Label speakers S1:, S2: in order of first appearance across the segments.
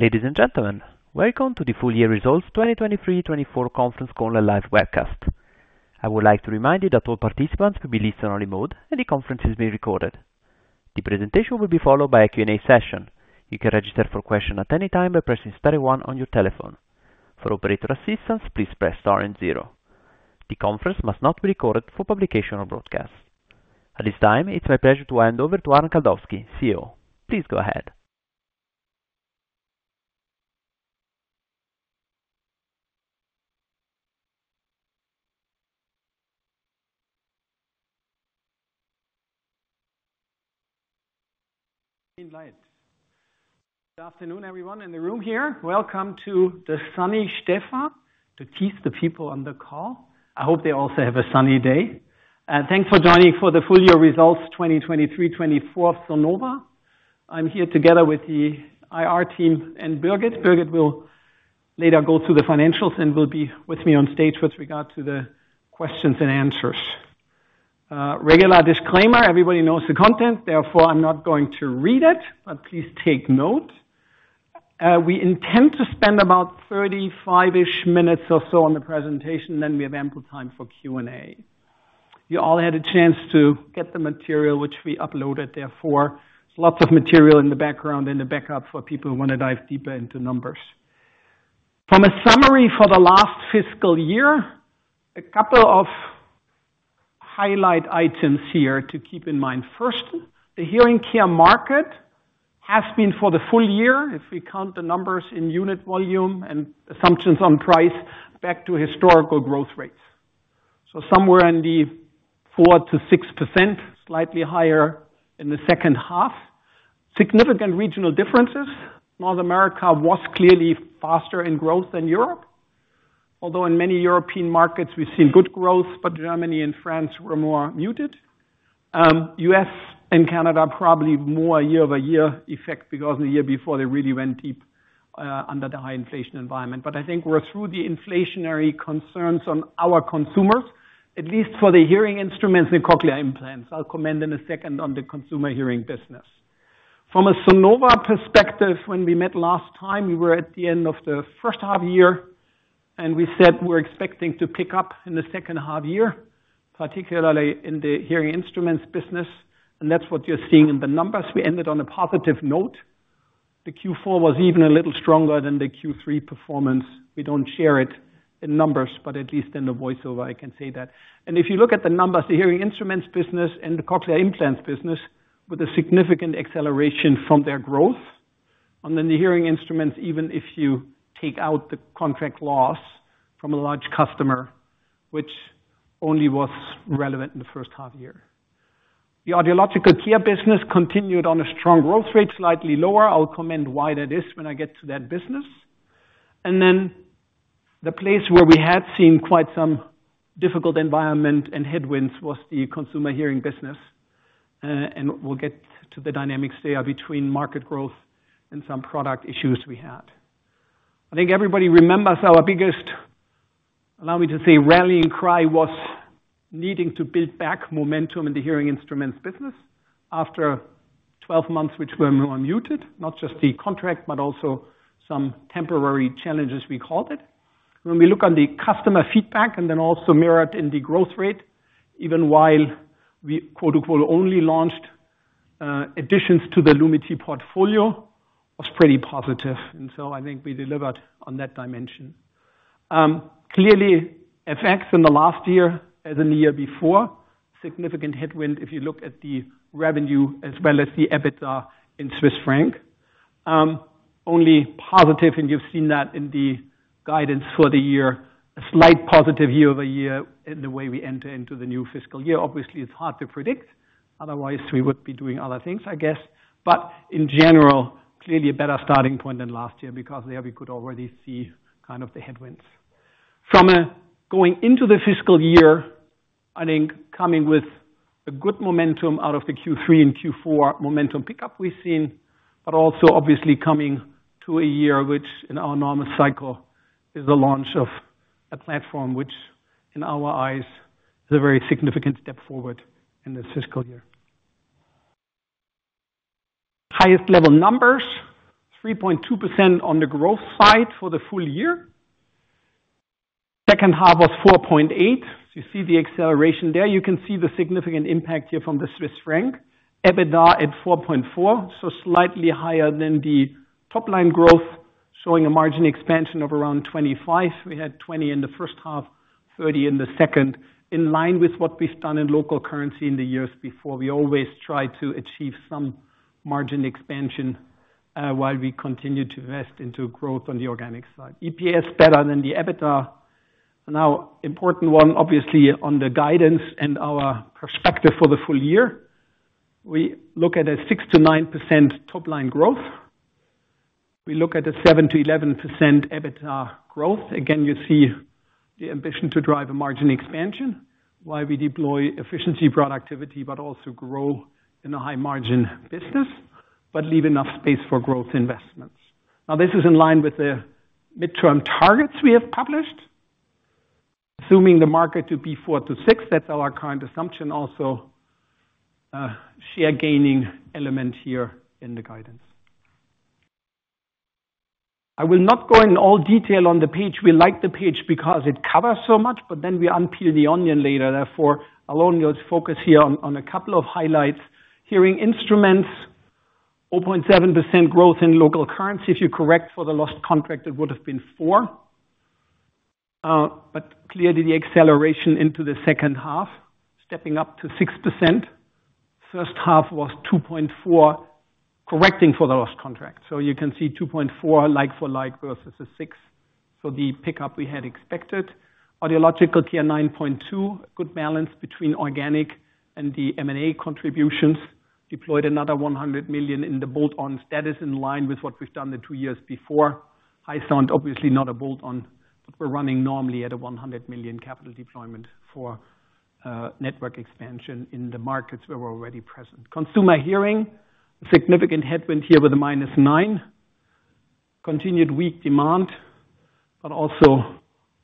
S1: Ladies and gentlemen, welcome to the full-year results 2023-24 conference call and live webcast. I would like to remind you that all participants will be in listen-only mode, and the conference is being recorded. The presentation will be followed by a Q&A session. You can register for questions at any time by pressing star one on your telephone. For operator assistance, please press star and zero. The conference must not be recorded for publication or broadcast. At this time, it's my pleasure to hand over to Arnd Kaldowski, CEO. Please go ahead.
S2: Good afternoon, everyone in the room here. Welcome to the sunny Stäfa, to tease the people on the call. I hope they also have a sunny day. Thanks for joining for the full-year results 2023-2024 of Sonova. I'm here together with the IR team and Birgit. Birgit will later go through the financials and will be with me on stage with regard to the questions and answers. Regular disclaimer: everybody knows the content. Therefore, I'm not going to read it, but please take note. We intend to spend about 35-ish minutes or so on the presentation, and then we have ample time for Q&A. You all had a chance to get the material, which we uploaded. Therefore, there's lots of material in the background and the backup for people who want to dive deeper into numbers. From a summary for the last fiscal year, a couple of highlight items here to keep in mind. First, the hearing care market has been for the full year, if we count the numbers in unit volume and assumptions on price, back to historical growth rates. So somewhere in the 4%-6%, slightly higher in the second half. Significant regional differences. North America was clearly faster in growth than Europe. Although in many European markets, we've seen good growth, but Germany and France were more muted. U.S. and Canada probably more year-over-year effect because in the year before, they really went deep under the high inflation environment. But I think we're through the inflationary concerns on our consumers, at least for the hearing instruments and cochlear implants. I'll comment in a second on the Consumer Hearing business. From a Sonova perspective, when we met last time, we were at the end of the first half year, and we said we're expecting to pick up in the second half year, particularly in the hearing instruments business. That's what you're seeing in the numbers. We ended on a positive note. The Q4 was even a little stronger than the Q3 performance. We don't share it in numbers, but at least in the voiceover, I can say that. If you look at the numbers, the hearing instruments business and the cochlear implants business with a significant acceleration from their growth. Then the hearing instruments, even if you take out the contract loss from a large customer, which only was relevant in the first half year. The Audiological Care business continued on a strong growth rate, slightly lower. I'll comment why that is when I get to that business. And then the place where we had seen quite some difficult environment and headwinds was the Consumer Hearing business. And we'll get to the dynamics there between market growth and some product issues we had. I think everybody remembers our biggest, allow me to say, rallying cry was needing to build back momentum in the hearing instruments business after 12 months, which were more muted, not just the contract, but also some temporary challenges, we called it. When we look on the customer feedback and then also mirrored in the growth rate, even while we only launched additions to the Lumity portfolio, it was pretty positive. And so I think we delivered on that dimension. Clearly, effects in the last year as in the year before, significant headwind if you look at the revenue as well as the EBITDA in Swiss franc. Only positive, and you've seen that in the guidance for the year, a slight positive year-over-year in the way we enter into the new fiscal year. Obviously, it's hard to predict. Otherwise, we would be doing other things, I guess. But in general, clearly a better starting point than last year because there we could already see kind of the headwinds. From going into the fiscal year, I think coming with a good momentum out of the Q3 and Q4 momentum pickup we've seen, but also obviously coming to a year which in our normal cycle is the launch of a platform which in our eyes is a very significant step forward in this fiscal year. Highest-level numbers, 3.2% on the growth side for the full year. Second half was 4.8%. You see the acceleration there. You can see the significant impact here from the Swiss franc. EBITDA at 4.4%, so slightly higher than the top-line growth, showing a margin expansion of around 25%. We had 20% in the first half, 30% in the second, in line with what we've done in local currency in the years before. We always try to achieve some margin expansion while we continue to invest into growth on the organic side. EPS better than the EBITDA. Now, important one, obviously, on the guidance and our perspective for the full year. We look at a 6%-9% top-line growth. We look at a 7%-11% EBITDA growth. Again, you see the ambition to drive a margin expansion while we deploy efficiency, productivity, but also grow in a high-margin business, but leave enough space for growth investments. Now, this is in line with the midterm targets we have published, assuming the market to be 4%-6%. That's our current assumption, also a share-gaining element here in the guidance. I will not go in all detail on the page. We like the page because it covers so much, but then we unpeel the onion later. Therefore, I'll only focus here on a couple of highlights. Hearing instruments, 0.7% growth in local currency. If you correct for the lost contract, it would have been 4%. But clearly, the acceleration into the second half, stepping up to 6%. First half was 2.4%, correcting for the lost contract. So you can see 2.4% like for like versus a 6%. The pickup we had expected. Audiological Care, 9.2%, good balance between organic and the M&A contributions, deployed another 100 million in the bolt-ons. That is in line with what we've done the two years before. HYSOUND, obviously not a bolt-on, but we're running normally at a 100 million capital deployment for network expansion in the markets where we're already present. Consumer Hearing, significant headwind here with a -9%, continued weak demand, but also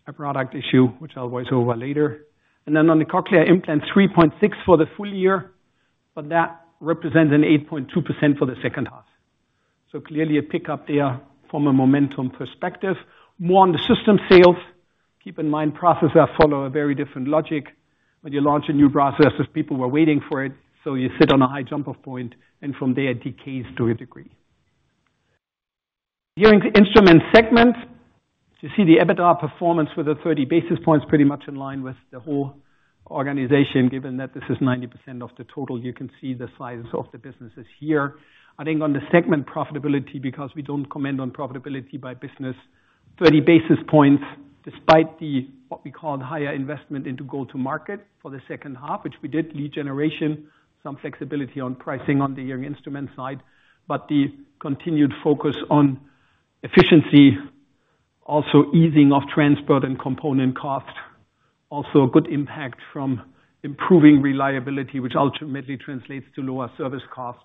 S2: a product issue, which I'll go over later. Then on the Cochlear Implants, 3.6% for the full year, but that represents an 8.2% for the second half. Clearly, a pickup there from a momentum perspective. More on the system sales. Keep in mind, processors follow a very different logic. When you launch a new processor, people were waiting for it, so you sit on a high jump-off point, and from there, decays to a degree. Hearing Instruments segment, you see the EBITDA performance with a 30 basis points pretty much in line with the whole organization, given that this is 90% of the total. You can see the size of the businesses here. I think on the segment profitability, because we don't comment on profitability by business, 30 basis points despite what we called higher investment into go-to-market for the second half, which we did, lead generation, some flexibility on pricing on the hearing instrument side, but the continued focus on efficiency, also easing of transport and component cost, also a good impact from improving reliability, which ultimately translates to lower service cost,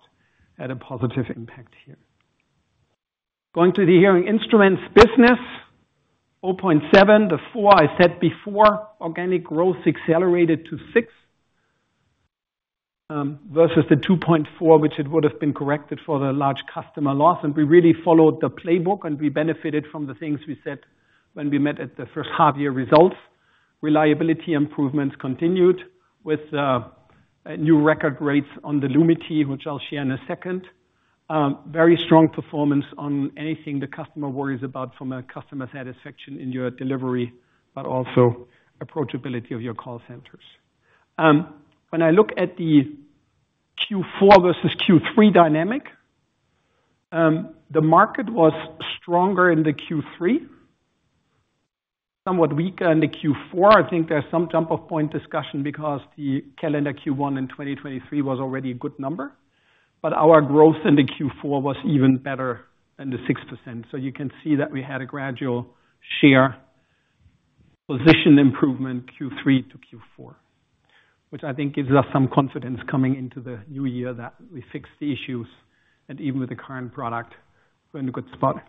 S2: had a positive impact here. Going to the hearing instruments business, 0.7%, the 4% I said before, organic growth accelerated to 6% versus the 2.4%, which it would have been corrected for the large customer loss. And we really followed the playbook, and we benefited from the things we said when we met at the first half-year results. Reliability improvements continued with new record rates on the Lumity, which I'll share in a second. Very strong performance on anything the customer worries about from a customer satisfaction in your delivery, but also approachability of your call centers. When I look at the Q4 versus Q3 dynamic, the market was stronger in the Q3, somewhat weaker in the Q4. I think there's some jump-off point discussion because the calendar Q1 in 2023 was already a good number. But our growth in the Q4 was even better than the 6%. So you can see that we had a gradual share position improvement Q3 to Q4, which I think gives us some confidence coming into the new year that we fixed the issues and even with the current product, we're in a good spot.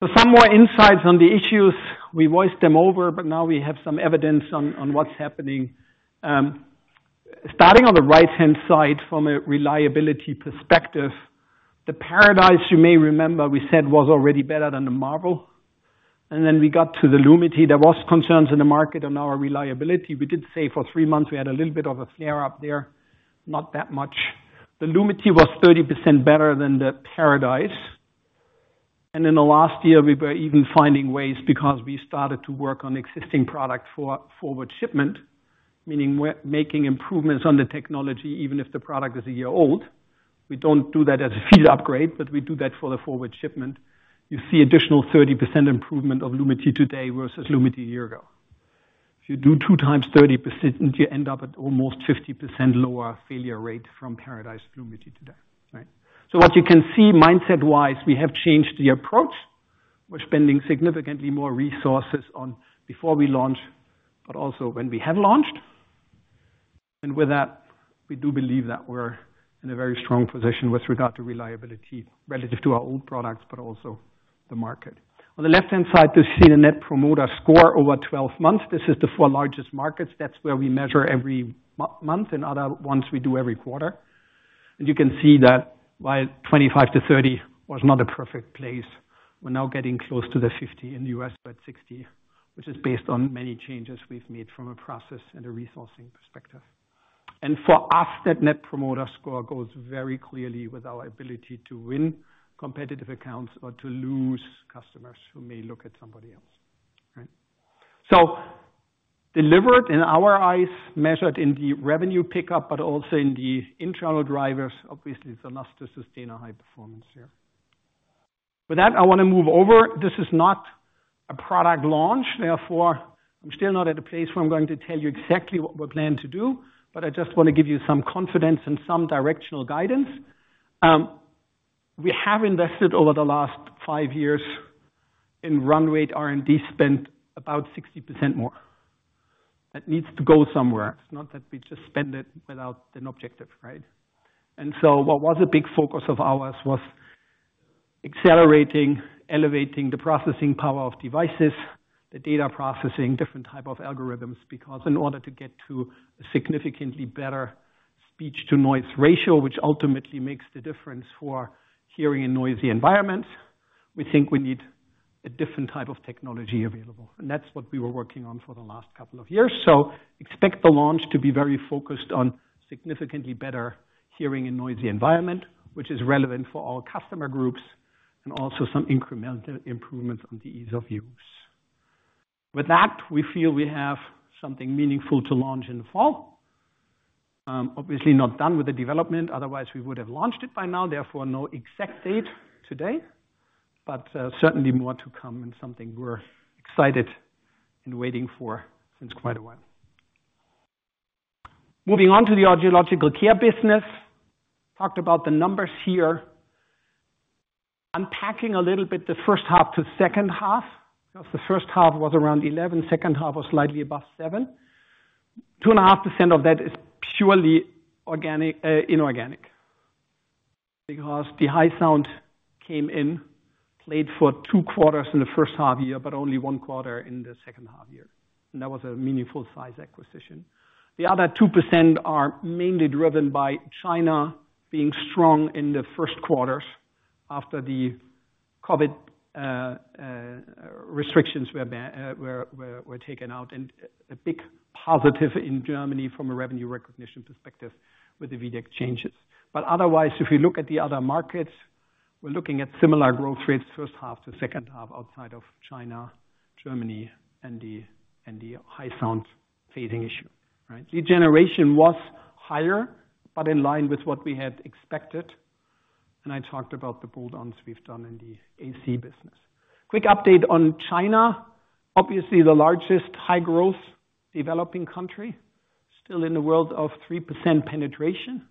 S2: So some more insights on the issues. We voiced them over, but now we have some evidence on what's happening. Starting on the right-hand side from a reliability perspective, the Paradise, you may remember, we said was already better than the Marvel. And then we got to the Lumity. There were concerns in the market on our reliability. We did say for three months, we had a little bit of a flare-up there, not that much. The Lumity was 30% better than the Paradise. In the last year, we were even finding ways because we started to work on existing product forward shipment, meaning making improvements on the technology, even if the product is a year old. We don't do that as a field upgrade, but we do that for the forward shipment. You see additional 30% improvement of Lumity today versus Lumity a year ago. If you do 2 times 30%, you end up at almost 50% lower failure rate from Paradise to Lumity today, right? So what you can see, mindset-wise, we have changed the approach. We're spending significantly more resources on before we launch, but also when we have launched. And with that, we do believe that we're in a very strong position with regard to reliability relative to our old products, but also the market. On the left-hand side, you see the Net Promoter Score over 12 months. This is the four largest markets. That's where we measure every month, and other ones, we do every quarter. You can see that while 25-30 was not a perfect place, we're now getting close to the 50 in the U.S., but 60, which is based on many changes we've made from a process and a resourcing perspective. For us, that Net Promoter Score goes very clearly with our ability to win competitive accounts or to lose customers who may look at somebody else, right? So delivered in our eyes, measured in the revenue pickup, but also in the internal drivers, obviously, it's enough to sustain a high performance here. With that, I want to move over. This is not a product launch. Therefore, I'm still not at a place where I'm going to tell you exactly what we're planning to do, but I just want to give you some confidence and some directional guidance. We have invested over the last five years in runway to R&D, spent about 60% more. That needs to go somewhere. It's not that we just spend it without an objective, right? And so what was a big focus of ours was accelerating, elevating the processing power of devices, the data processing, different type of algorithms because in order to get to a significantly better speech-to-noise ratio, which ultimately makes the difference for hearing in noisy environments, we think we need a different type of technology available. And that's what we were working on for the last couple of years. So expect the launch to be very focused on significantly better hearing in noisy environment, which is relevant for all customer groups, and also some incremental improvements on the ease of use. With that, we feel we have something meaningful to launch in the fall. Obviously, not done with the development. Otherwise, we would have launched it by now. Therefore, no exact date today, but certainly more to come and something we're excited and waiting for since quite a while. Moving on to the Audiological Care business, talked about the numbers here, unpacking a little bit the first half to second half because the first half was around 11%, second half was slightly above 7%. 2.5% of that is purely inorganic because the HYSOUND came in, played for two quarters in the first half year, but only one quarter in the second half year. That was a meaningful size acquisition. The other 2% are mainly driven by China being strong in the first quarters after the COVID restrictions were taken out and a big positive in Germany from a revenue recognition perspective with the vdek changes. But otherwise, if you look at the other markets, we're looking at similar growth rates, first half to second half, outside of China, Germany, and the HYSOUND phasing issue, right? Lead generation was higher, but in line with what we had expected. I talked about the bolt-ons we've done in the AC business. Quick update on China. Obviously, the largest high-growth developing country, still in the world of 3% penetration.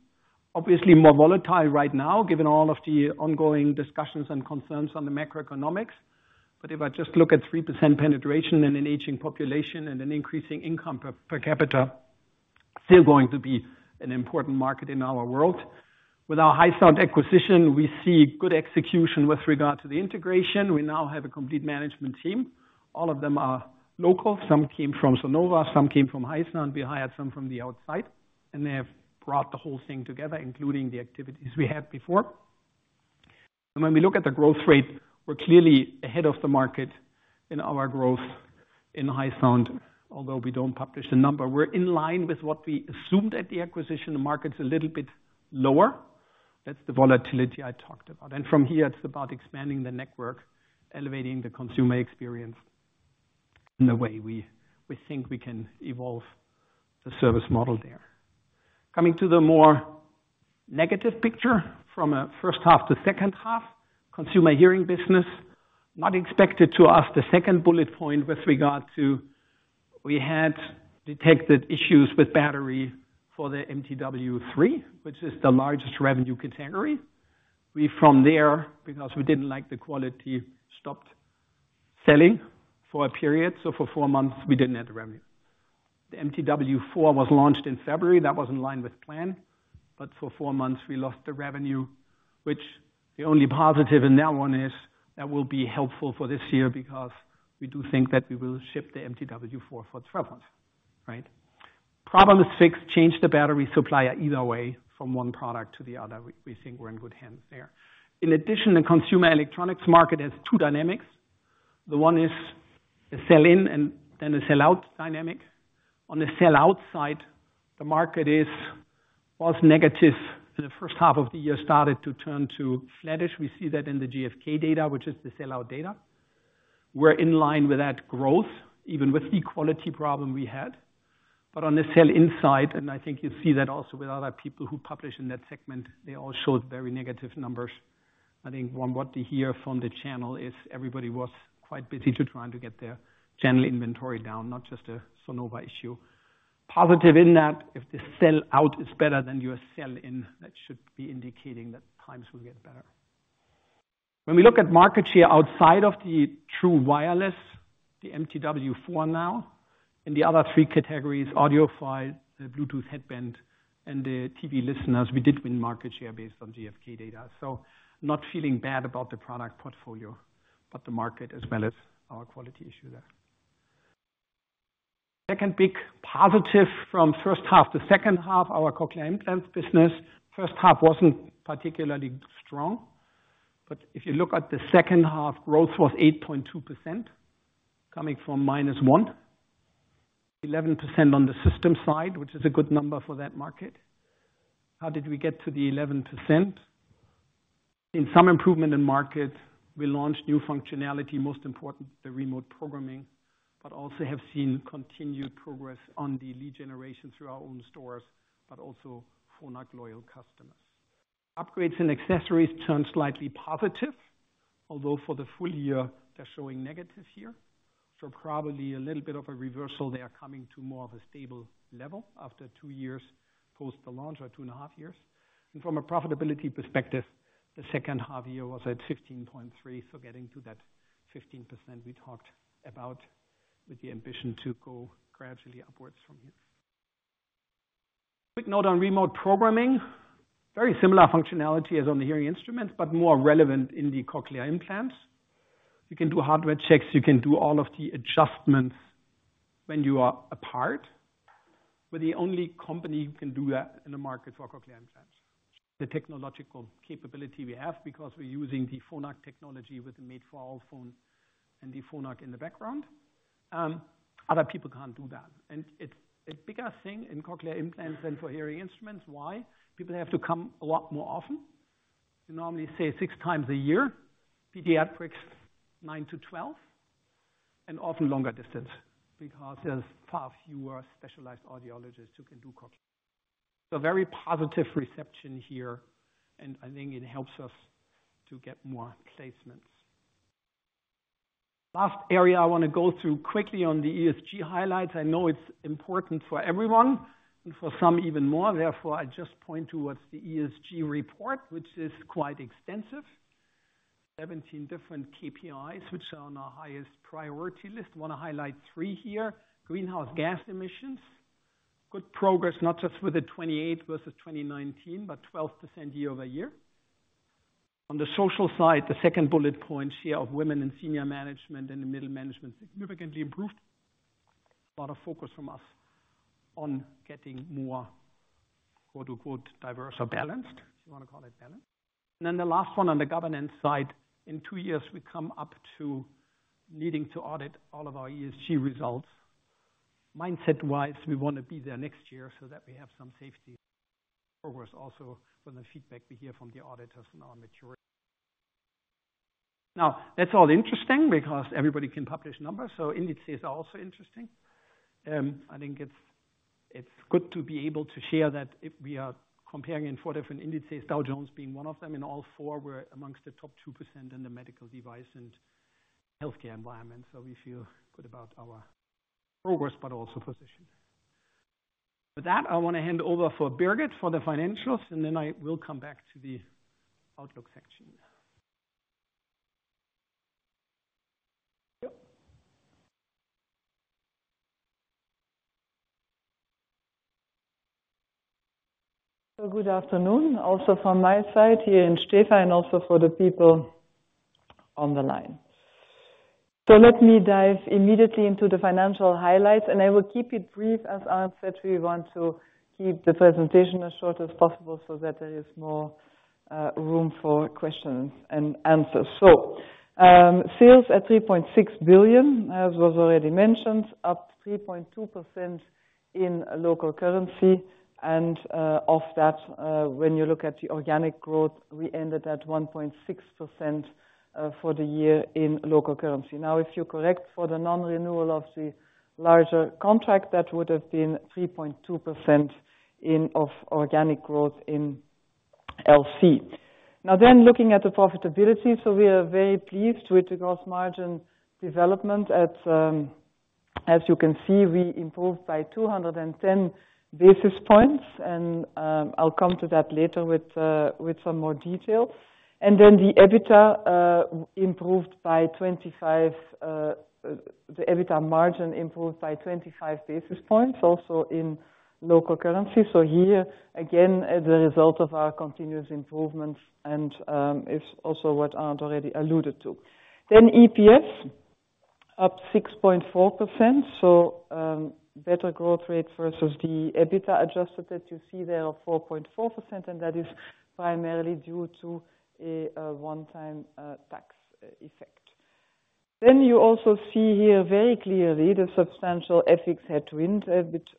S2: Obviously, more volatile right now given all of the ongoing discussions and concerns on the macroeconomics. But if I just look at 3% penetration and an aging population and an increasing income per capita, still going to be an important market in our world. With our HYSOUND acquisition, we see good execution with regard to the integration. We now have a complete management team. All of them are local. Some came from Sonova, some came from HYSOUND. We hired some from the outside, and they have brought the whole thing together, including the activities we had before. And when we look at the growth rate, we're clearly ahead of the market in our growth in HYSOUND, although we don't publish the number. We're in line with what we assumed at the acquisition. The market's a little bit lower. That's the volatility I talked about. From here, it's about expanding the network, elevating the consumer experience in the way we think we can evolve the service model there. Coming to the more negative picture from a first half to second half, Consumer Hearing business, not expected to ask the second bullet point with regard to we had detected issues with battery for the MTW3, which is the largest revenue category. We, from there, because we didn't like the quality, stopped selling for a period. So for four months, we didn't have the revenue. The MTW4 was launched in February. That was in line with plan. But for four months, we lost the revenue, which the only positive in that one is that will be helpful for this year because we do think that we will ship the MTW4 for 12 months, right? Problem is fixed, changed the battery supplier either way from one product to the other. We think we're in good hands there. In addition, the consumer electronics market has two dynamics. The one is a sell-in and then a sell-out dynamic. On the sell-out side, the market was negative in the first half of the year, started to turn to flatish. We see that in the GfK data, which is the sell-out data. We're in line with that growth, even with the quality problem we had. But on the sell-in side, and I think you see that also with other people who publish in that segment, they all showed very negative numbers. I think what we hear from the channel is everybody was quite busy trying to get their channel inventory down, not just a Sonova issue. Positive in that if the sell-out is better than your sell-in, that should be indicating that times will get better. When we look at market share outside of the true wireless, the MTW4 now, in the other three categories, audiophile, the Bluetooth headband, and the TV listeners, we did win market share based on GfK data. So not feeling bad about the product portfolio, but the market as well as our quality issue there. Second big positive from first half to second half, our cochlear implants business. First half wasn't particularly strong. But if you look at the second half, growth was 8.2% coming from -1%, 11% on the system side, which is a good number for that market. How did we get to the 11%? Seen some improvement in market. We launched new functionality, most importantly, the remote programming, but also have seen continued progress on the lead generation through our own stores, but also for not loyal customers. Upgrades and accessories turned slightly positive, although for the full year, they're showing negative here. So probably a little bit of a reversal. They are coming to more of a stable level after two years post the launch or two and a half years. From a profitability perspective, the second half year was at 15.3%. So getting to that 15% we talked about with the ambition to go gradually upwards from here. Quick note on remote programming. Very similar functionality as on the hearing instruments, but more relevant in the cochlear implants. You can do hardware checks. You can do all of the adjustments when you are apart. We're the only company who can do that in the market for cochlear implants. The technological capability we have because we're using the Phonak technology with the MFi for iPhone and the Phonak in the background. Other people can't do that. It's a bigger thing in cochlear implants than for hearing instruments. Why? People have to come a lot more often. You normally say six times a year, pediatrics 9:00 A.M. to 12:00 P.M., and often longer distance because there's far fewer specialized audiologists who can do cochlear. Very positive reception here. I think it helps us to get more placements. Last area I want to go through quickly on the ESG highlights. I know it's important for everyone and for some even more. Therefore, I just point towards the ESG report, which is quite extensive. 17 different KPIs, which are on our highest priority list. Want to highlight 3 here. Greenhouse gas emissions. Good progress, not just with the 28 versus 2019, but 12% year-over-year. On the social side, the second bullet points here of women in senior management and the middle management significantly improved. A lot of focus from us on getting more diverse or balanced, if you want to call it balanced. And then the last one on the governance side. In 2 years, we come up to needing to audit all of our ESG results. Mindset-wise, we want to be there next year so that we have some safety progress also from the feedback we hear from the auditors and our maturity. Now, that's all interesting because everybody can publish numbers. So indices are also interesting. I think it's good to be able to share that we are comparing in four different indices, Dow Jones being one of them. In all four, we're among the top 2% in the medical device and healthcare environment. So we feel good about our progress, but also position. With that, I want to hand over to Birgit for the financials, and then I will come back to the Outlook section. Yep.
S3: So good afternoon, also from my side here in Stäfa and also for the people on the line. So let me dive immediately into the financial highlights, and I will keep it brief as I said we want to keep the presentation as short as possible so that there is more room for questions and answers. So sales at 3.6 billion, as was already mentioned, up 3.2% in local currency. And of that, when you look at the organic growth, we ended at 1.6% for the year in local currency. Now, if you're correct, for the non-renewal of the larger contract, that would have been 3.2% of organic growth in LC. Now then, looking at the profitability, so we are very pleased with the gross margin development. As you can see, we improved by 210 basis points, and I'll come to that later with some more details. And then the EBITDA improved by 25, the EBITDA margin improved by 25 basis points also in local currency. So here, again, the result of our continuous improvements and is also what Arnd already alluded to. Then EPS, up 6.4%. So better growth rate versus the EBITDA adjusted that you see there of 4.4%, and that is primarily due to a one-time tax effect. Then you also see here very clearly the substantial FX headwind,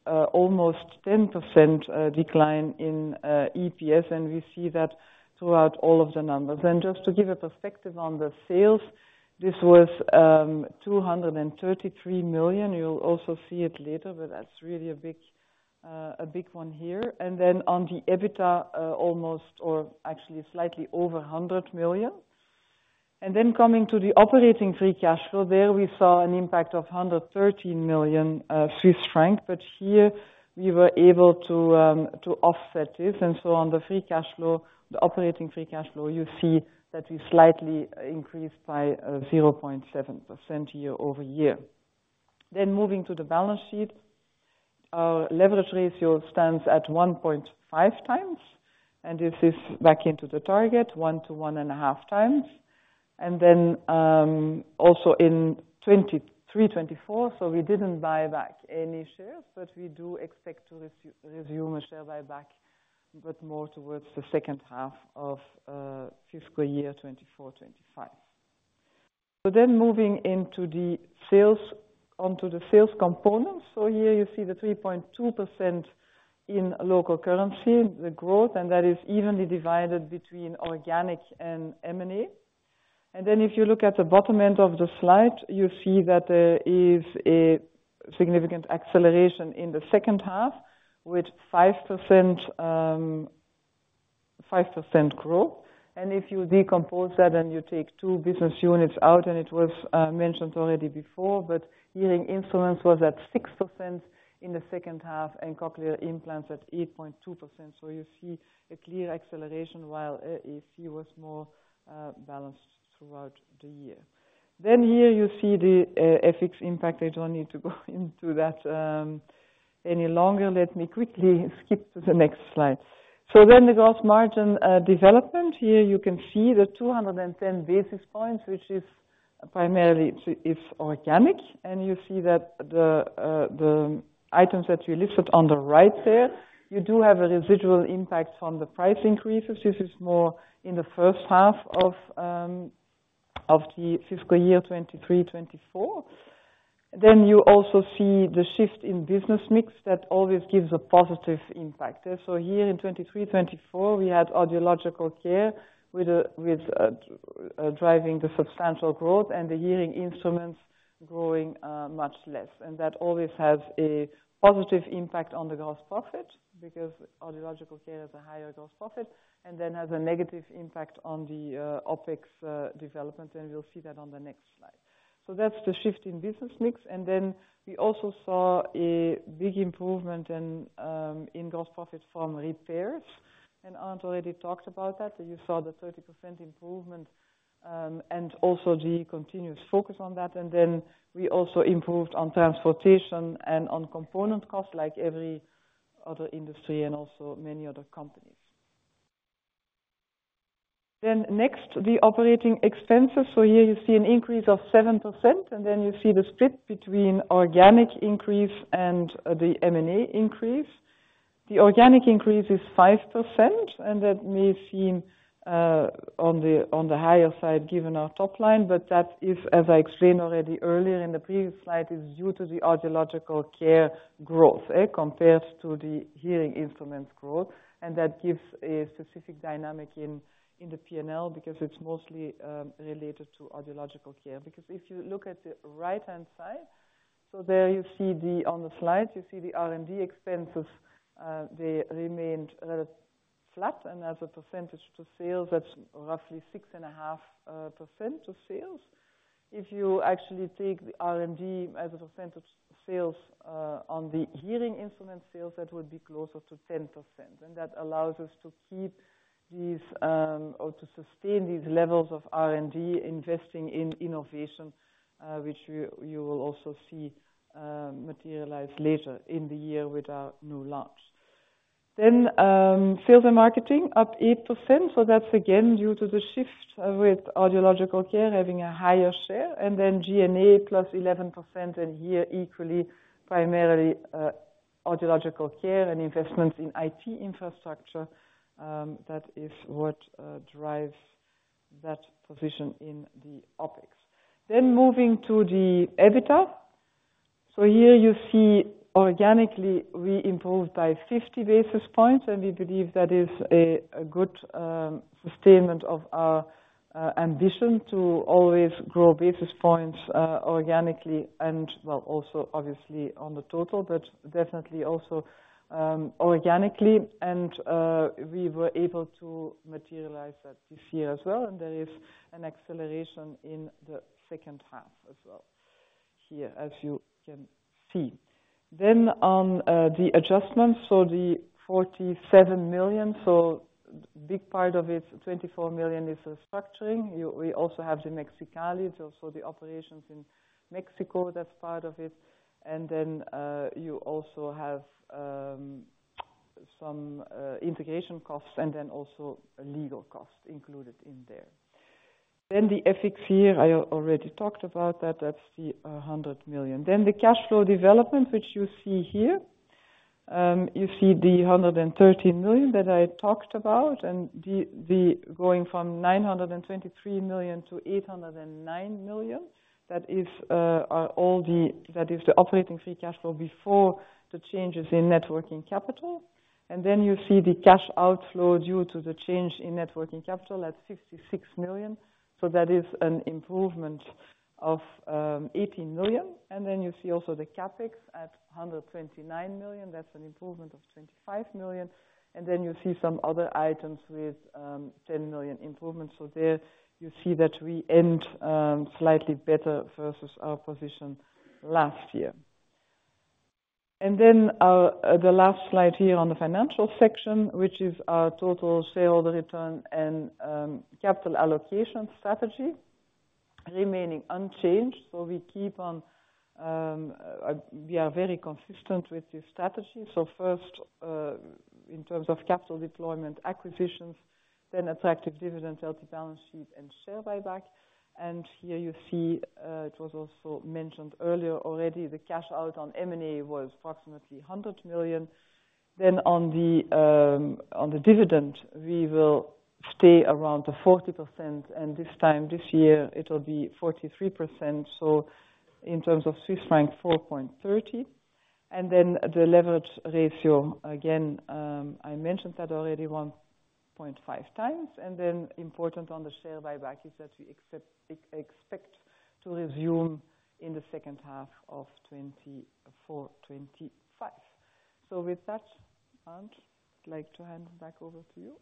S3: almost 10% decline in EPS, and we see that throughout all of the numbers. Just to give a perspective on the sales, this was 233 million. You'll also see it later, but that's really a big one here. Then on the EBITDA, almost or actually slightly over 100 million. Then coming to the operating free cash flow, there we saw an impact of 113 million Swiss franc, but here we were able to offset this. So on the free cash flow, the operating free cash flow, you see that we slightly increased by 0.7% year-over-year. Then moving to the balance sheet, our leverage ratio stands at 1.5x, and this is back into the target, 1 to 1.5x. Then also in 2023, 2024, so we didn't buy back any shares, but we do expect to resume a share buyback, but more towards the second half of fiscal year 2024, 2025. So then moving into the sales onto the sales component. So here you see the 3.2% in local currency, the growth, and that is evenly divided between organic and M&A. And then if you look at the bottom end of the slide, you see that there is a significant acceleration in the second half with 5% growth. And if you decompose that and you take two business units out, and it was mentioned already before, but hearing instruments was at 6% in the second half and cochlear implants at 8.2%. So you see a clear acceleration while AC was more balanced throughout the year. Then here you see the FX impact. I don't need to go into that any longer. Let me quickly skip to the next slide. So then the gross margin development. Here you can see the 210 basis points, which is primarily it's organic, and you see that the items that you listed on the right there, you do have a residual impact from the price increases. This is more in the first half of the fiscal year 2023, 2024. Then you also see the shift in business mix that always gives a positive impact. So here in 2023, 2024, we had Audiological Care driving the substantial growth and the hearing instruments growing much less. And that always has a positive impact on the gross profit because Audiological Care has a higher gross profit and then has a negative impact on the OpEx development, and we'll see that on the next slide. So that's the shift in business mix. And then we also saw a big improvement in gross profit from repairs. And Arnd already talked about that. You saw the 30% improvement and also the continuous focus on that. And then we also improved on transportation and on component costs like every other industry and also many other companies. Then next, the operating expenses. So here you see an increase of 7%, and then you see the split between organic increase and the M&A increase. The organic increase is 5%, and that may seem on the higher side given our top line, but that is, as I explained already earlier in the previous slide, due to the Audiological Care growth compared to the hearing instruments growth. And that gives a specific dynamic in the P&L because it's mostly related to Audiological Care. Because if you look at the right-hand side, so there you see, on the slide, you see the R&D expenses, they remained flat. As a percentage to sales, that's roughly 6.5% to sales. If you actually take the R&D as a percentage sales on the hearing instrument sales, that would be closer to 10%. And that allows us to keep these or to sustain these levels of R&D investing in innovation, which you will also see materialize later in the year with our new launch. Sales and marketing, up 8%. So that's, again, due to the shift with Audiological Care having a higher share. And then G&A +11%, and here equally primarily Audiological Care and investments in IT infrastructure. That is what drives that position in the OPEX. Moving to the EBITDA. So here you see organically, we improved by 50 basis points, and we believe that is a good sustainment of our ambition to always grow basis points organically and, well, also obviously on the total, but definitely also organically. We were able to materialize that this year as well, and there is an acceleration in the second half as well here, as you can see. Then on the adjustments, so the 47 million, so big part of it, 24 million is restructuring. We also have the Mexicali. It's also the operations in Mexico that's part of it. And then you also have some integration costs and then also legal costs included in there. Then the FX here, I already talked about that. That's the 100 million. Then the cash flow development, which you see here, you see the 113 million that I talked about and going from 923 million to 809 million. That is all. That is the operating free cash flow before the changes in net working capital. And then you see the cash outflow due to the change in net working capital at 56 million. So that is an improvement of 18 million. And then you see also the CAPEX at 129 million. That's an improvement of 25 million. And then you see some other items with 10 million improvement. So there you see that we end slightly better versus our position last year. And then the last slide here on the financial section, which is our total shareholder return and capital allocation strategy, remaining unchanged. So we keep on, we are very consistent with this strategy. So first, in terms of capital deployment, acquisitions, then attractive dividend, healthy balance sheet, and share buyback. And here you see it was also mentioned earlier already, the cash out on M&A was approximately 100 million. Then on the dividend, we will stay around the 40%, and this time this year, it will be 43%. So in terms of Swiss franc, 4.30. And then the leverage ratio, again, I mentioned that already 1.5x. And then important on the share buyback is that we expect to resume in the second half of 2024, 2025. So with that, Arnd, I'd like to hand back over to you.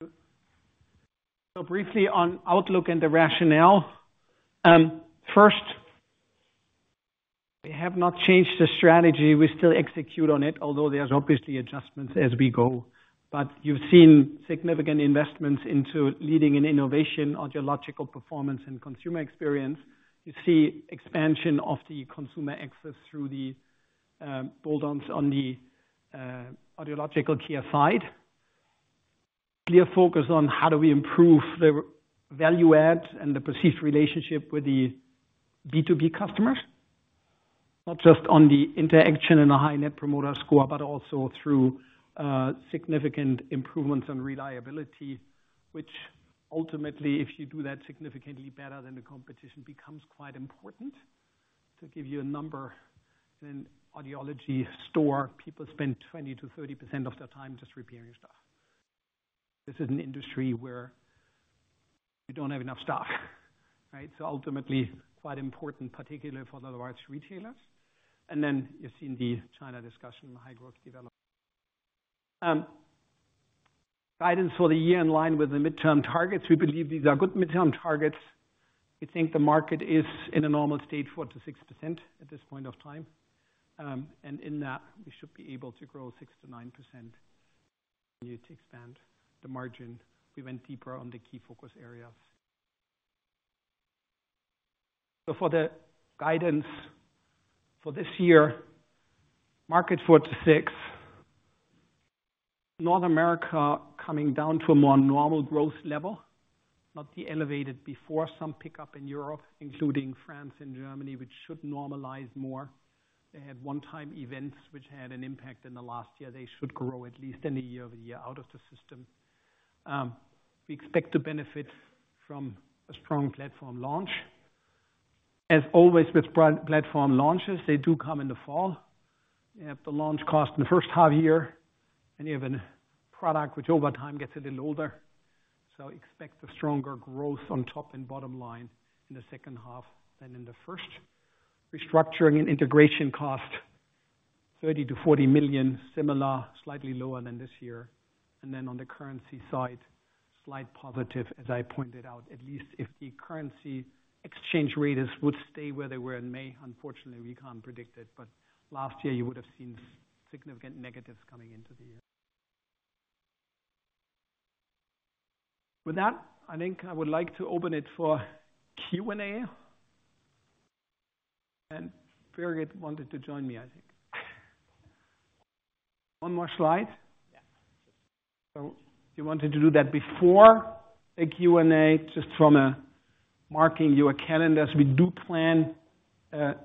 S2: Thank you. So briefly on Outlook and the rationale. First, we have not changed the strategy. We still execute on it, although there's obviously adjustments as we go. But you've seen significant investments into leading in innovation, audiological performance, and consumer experience. You see expansion of the consumer access through the bolts on on the Audiological Care side. Clear focus on how do we improve the value add and the perceived relationship with the B2B customers, not just on the interaction and a high net promoter score, but also through significant improvements on reliability, which ultimately, if you do that significantly better than the competition, becomes quite important. To give you a number, in an audiology store, people spend 20%-30% of their time just repairing stuff. This is an industry where you don't have enough stuff, right? So ultimately, quite important, particularly for the large retailers. Then you've seen the China discussion, high growth development. Guidance for the year in line with the midterm targets. We believe these are good midterm targets. We think the market is in a normal state 4%-6% at this point of time. And in that, we should be able to grow 6%-9%. We need to expand the margin. We went deeper on the key focus areas. So for the guidance for this year, market 4%-6%. North America coming down to a more normal growth level, not the elevated before some pickup in Europe, including France and Germany, which should normalize more. They had one-time events which had an impact in the last year. They should grow at least in the year-over-year out of the system. We expect to benefit from a strong platform launch. As always with platform launches, they do come in the fall. You have the launch cost in the first half year, and you have a product which over time gets a little older. So expect a stronger growth on top and bottom line in the second half than in the first. Restructuring and integration cost, 30 million-40 million, similar, slightly lower than this year. And then on the currency side, slight positive, as I pointed out, at least if the currency exchange rates would stay where they were in May. Unfortunately, we can't predict it, but last year you would have seen significant negatives coming into the year. With that, I think I would like to open it for Q&A. And Birgit wanted to join me, I think. One more slide. So if you wanted to do that before the Q&A, just from marking your calendars, we do plan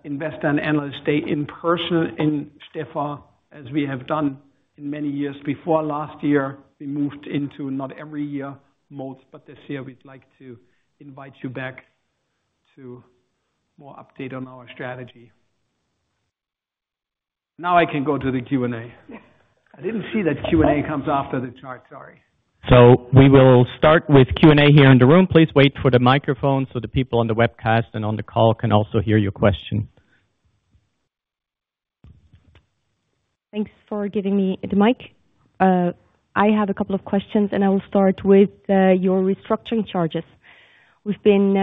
S2: investor and analyst day in person in Stäfa as we have done in many years before. Last year, we moved into not every year modes, but this year we'd like to invite you back to more update on our strategy. Now I can go to the Q&A. I didn't see that Q&A comes after the chart. Sorry.
S1: We will start with Q&A here in the room. Please wait for the microphone so the people on the webcast and on the call can also hear your question.
S4: Thanks for giving me the mic. I have a couple of questions, and I will start with your restructuring charges. We've been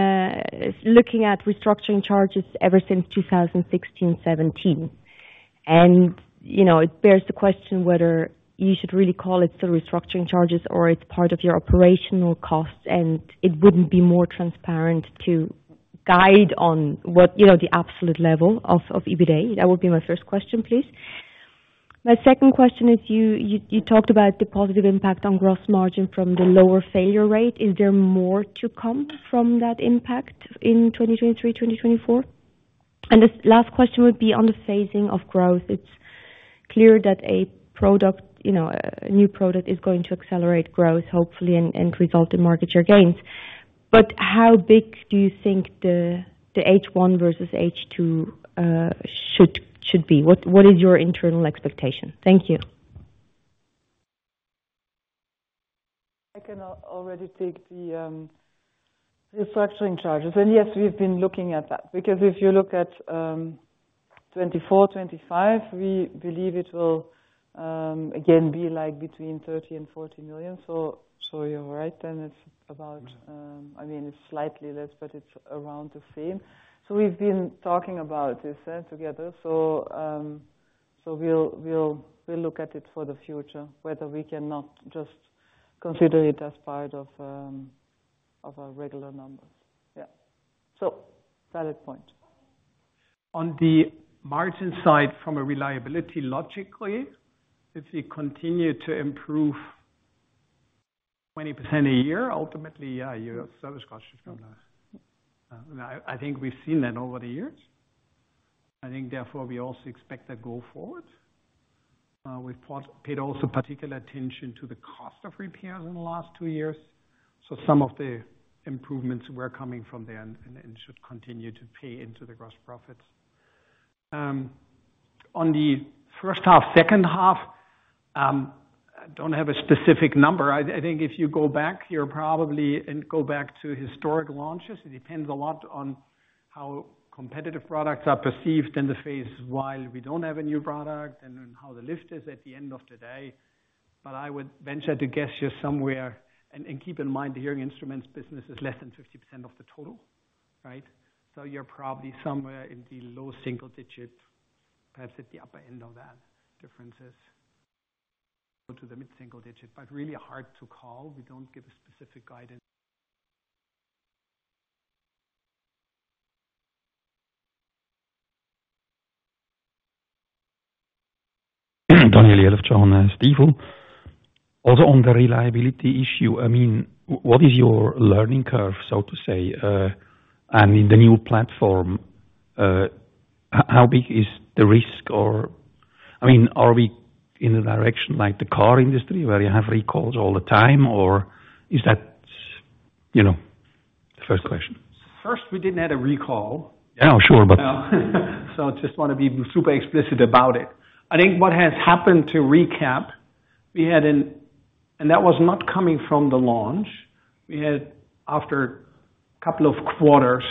S4: looking at restructuring charges ever since 2016, 2017. And it bears the question whether you should really call it the restructuring charges or it's part of your operational costs, and it wouldn't be more transparent to guide on the absolute level of EBITDA. That would be my first question, please. My second question is you talked about the positive impact on gross margin from the lower failure rate. Is there more to come from that impact in 2023, 2024? And this last question would be on the phasing of growth. It's clear that a new product is going to accelerate growth, hopefully, and result in market share gains. But how big do you think the H1 versus H2 should be? What is your internal expectation? Thank you.
S3: I can already take the restructuring charges. Yes, we've been looking at that. Because if you look at 2024, 2025, we believe it will, again, be between 30 million and 40 million. So you're right. Then it's about—I mean, it's slightly less, but it's around the same. So we've been talking about this together. So we'll look at it for the future, whether we cannot just consider it as part of our regular numbers. Yeah. So valid point.
S2: On the margin side from a reliability logic, if we continue to improve 20% a year, ultimately, yeah, your service cost should come down. I think we've seen that over the years. I think, therefore, we also expect that going forward. We've paid also particular attention to the cost of repairs in the last two years. So some of the improvements were coming from there and should continue to pay into the gross profits. On the first half, second half, I don't have a specific number. I think if you go back, you're probably go back to historic launches. It depends a lot on how competitive products are perceived in the phase while we don't have a new product and how the lift is at the end of the day. But I would venture to guess you're somewhere and keep in mind the hearing instruments business is less than 50% of the total, right? So you're probably somewhere in the low single digit, perhaps at the upper end of that differences. Go to the mid-single digit, but really hard to call. We don't give a specific guidance.
S4: Daniel Jelovcan, Mirabaud. Also on the reliability issue, I mean, what is your learning curve, so to say, and in the new platform? How big is the risk, or I mean, are we in the direction like the car industry where you have recalls all the time, or is that the first question?
S2: First, we didn't have a recall.
S4: Yeah, sure, but.
S2: So I just want to be super explicit about it. I think what has happened, to recap, we had an incident, and that was not coming from the launch. After a couple of quarters,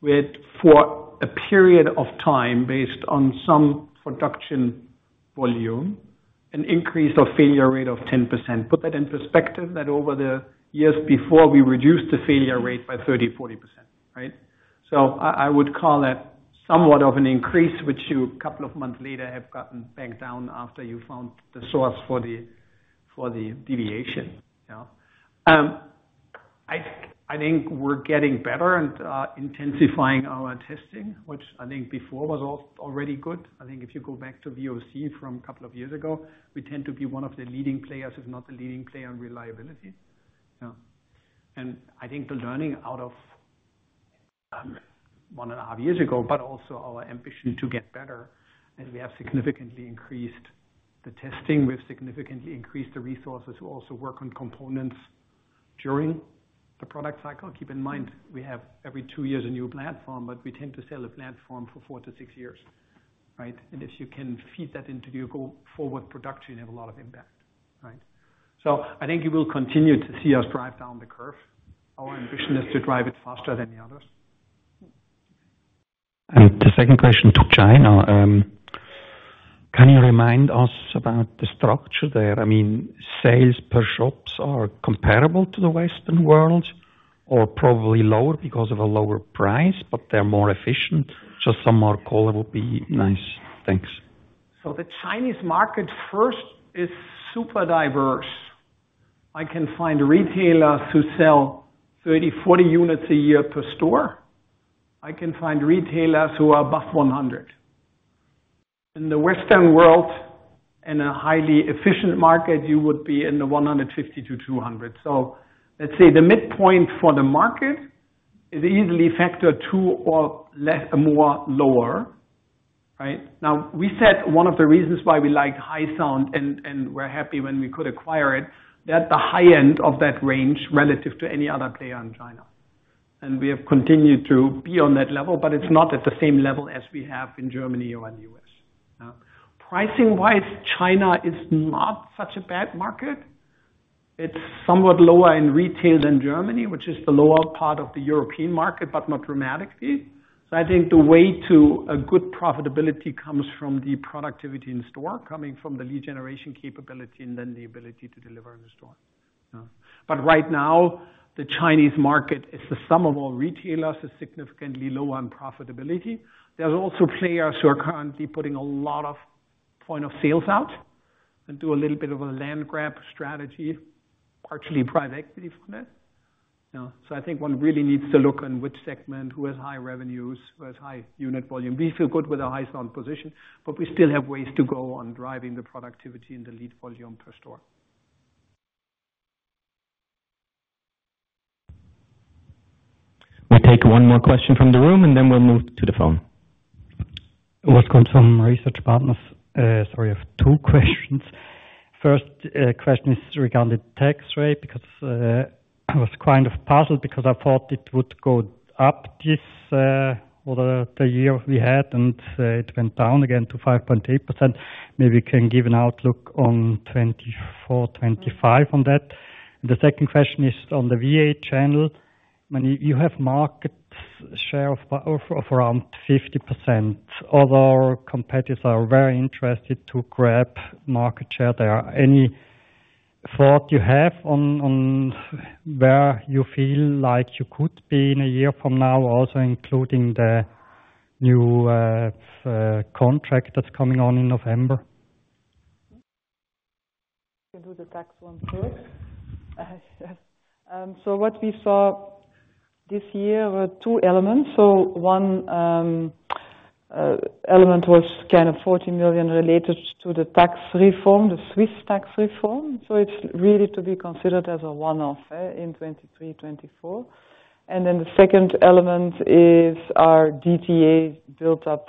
S2: we had, for a period of time, based on some production volume, an increase of failure rate of 10%. Put that in perspective, that over the years before, we reduced the failure rate by 30%-40%, right? So I would call that somewhat of an increase, which you, a couple of months later, have gotten back down after you found the source for the deviation. Yeah? I think we're getting better and intensifying our testing, which I think before was already good. I think if you go back to VOC from a couple of years ago, we tend to be one of the leading players, if not the leading player on reliability. Yeah? I think the learning out of 1.5 years ago, but also our ambition to get better, and we have significantly increased the testing. We've significantly increased the resources to also work on components during the product cycle. Keep in mind, we have every 2 years a new platform, but we tend to sell a platform for 4-6 years, right? And if you can feed that into your go forward production, you have a lot of impact, right? So I think you will continue to see us drive down the curve. Our ambition is to drive it faster than the others.
S4: The second question to China. Can you remind us about the structure there? I mean, sales per shops are comparable to the Western world or probably lower because of a lower price, but they're more efficient. Just some more color would be nice. Thanks.
S2: So the Chinese market first is super diverse. I can find retailers who sell 30, 40 units a year per store. I can find retailers who are above 100. In the Western world, in a highly efficient market, you would be in the 150-200. So let's say the midpoint for the market is easily factor 2 or more lower, right? Now, we said one of the reasons why we liked HYSOUND and were happy when we could acquire it, they're at the high end of that range relative to any other player in China. And we have continued to be on that level, but it's not at the same level as we have in Germany or in the US. Yeah? Pricing-wise, China is not such a bad market. It's somewhat lower in retail than Germany, which is the lower part of the European market, but not dramatically. So I think the way to good profitability comes from the productivity in store, coming from the lead generation capability and then the ability to deliver in the store. Yeah? But right now, the Chinese market, the sum of all retailers, is significantly lower in profitability. There's also players who are currently putting a lot of point of sales out and do a little bit of a land grab strategy, partially private equity funded. Yeah? So I think one really needs to look on which segment, who has high revenues, who has high unit volume. We feel good with a HYSOUND position, but we still have ways to go on driving the productivity and the lead volume per store.
S1: We take one more question from the room, and then we'll move to the phone.
S4: Urs Kunz from Research Partners? Sorry, I have two questions. First question is regarding tax rate because I was kind of puzzled because I thought it would go up this over the year we had, and it went down again to 5.8%. Maybe you can give an outlook on 2024, 2025 on that. And the second question is on the VA channel. I mean, you have market share of around 50%. Other competitors are very interested to grab market share. There are any thoughts you have on where you feel like you could be in a year from now, also including the new contract that's coming on in November?
S3: Can do the tax one first? So what we saw this year were two elements. So one element was kind of 40 million related to the tax reform, the Swiss tax reform. So it's really to be considered as a one-off in 2023, 2024. And then the second element is our DTA built up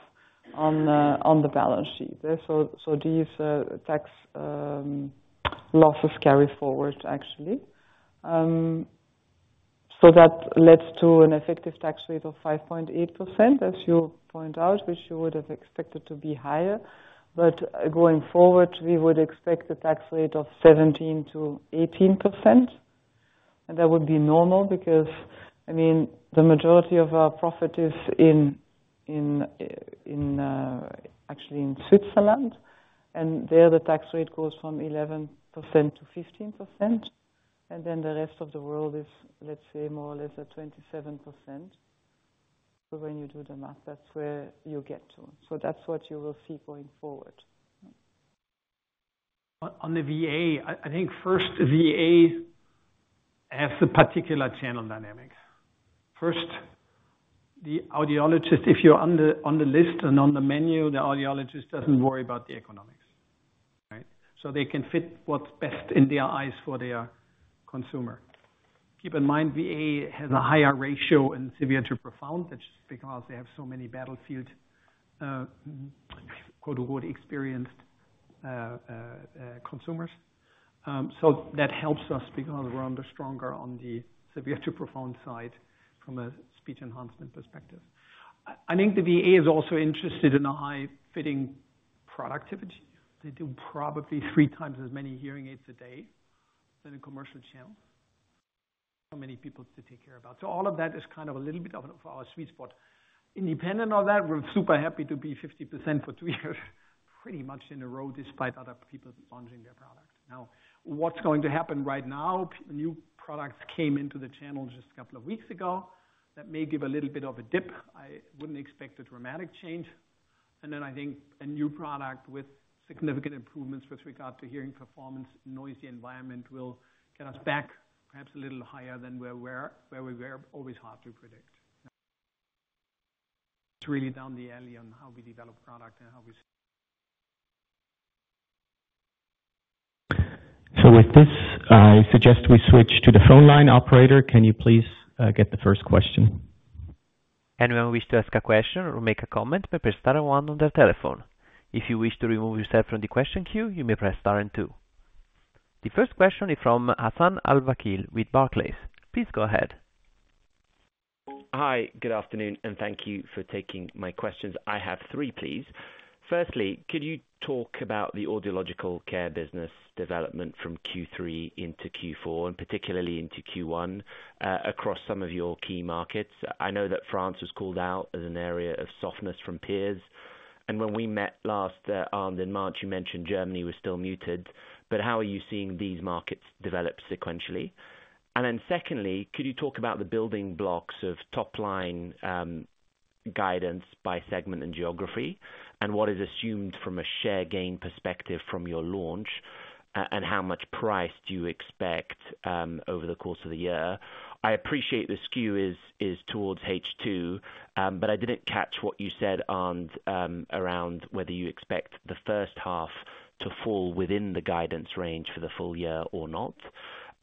S3: on the balance sheet. So these tax losses carry forward, actually. So that led to an effective tax rate of 5.8%, as you point out, which you would have expected to be higher. But going forward, we would expect a tax rate of 17%-18%. And that would be normal because, I mean, the majority of our profit is actually in Switzerland. And there, the tax rate goes from 11%-15%. And then the rest of the world is, let's say, more or less at 27%. So when you do the math, that's where you get to. So that's what you will see going forward.
S2: On the VA, I think first, VA has the particular channel dynamics. First, the audiologist, if you're on the list and on the menu, the audiologist doesn't worry about the economics, right? So they can fit what's best in their eyes for their consumer. Keep in mind, VA has a higher ratio in severe to profound. That's just because they have so many battlefield, quote-unquote, experienced consumers. So that helps us because we're stronger on the severe to profound side from a speech enhancement perspective. I think the VA is also interested in a high-fitting productivity. They do probably three times as many hearing aids a day than a commercial channel, so many people to take care about. So all of that is kind of a little bit of our sweet spot. Independent of that, we're super happy to be 50% for two years pretty much in a row despite other people launching their product. Now, what's going to happen right now? New products came into the channel just a couple of weeks ago. That may give a little bit of a dip. I wouldn't expect a dramatic change. And then I think a new product with significant improvements with regard to hearing performance, noisy environment will get us back perhaps a little higher than where we were, always hard to predict. It's really down the alley on how we develop product and how we.
S1: With this, I suggest we switch to the phone line operator. Can you please get the first question? Anyone wish to ask a question or make a comment may press star one on their telephone. If you wish to remove yourself from the question queue, you may press star 2. The first question is from Hassan Al-Wakeel with Barclays. Please go ahead.
S2: Hi. Good afternoon, and thank you for taking my questions. I have three, please. Firstly, could you talk about the Audiological Care business development from Q3 into Q4, and particularly into Q1, across some of your key markets? I know that France was called out as an area of softness from peers. And when we met last, Arnd, in March, you mentioned Germany was still muted. But how are you seeing these markets develop sequentially? And then secondly, could you talk about the building blocks of top-line guidance by segment and geography, and what is assumed from a share gain perspective from your launch, and how much price do you expect over the course of the year? I appreciate this skew is towards H2, but I didn't catch what you said around whether you expect the first half to fall within the guidance range for the full year or not.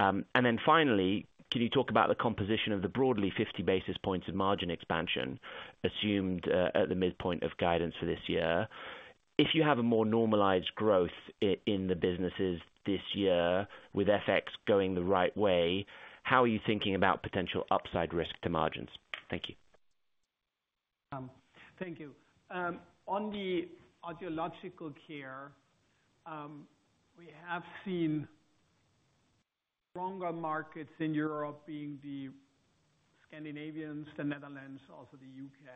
S2: And then finally, can you talk about the composition of the broadly 50 basis points of margin expansion assumed at the midpoint of guidance for this year? If you have a more normalized growth in the businesses this year with FX going the right way, how are you thinking about potential upside risk to margins? Thank you. Thank you. On the Audiological Care, we have seen stronger markets in Europe being the Scandinavians, the Netherlands, also the UK.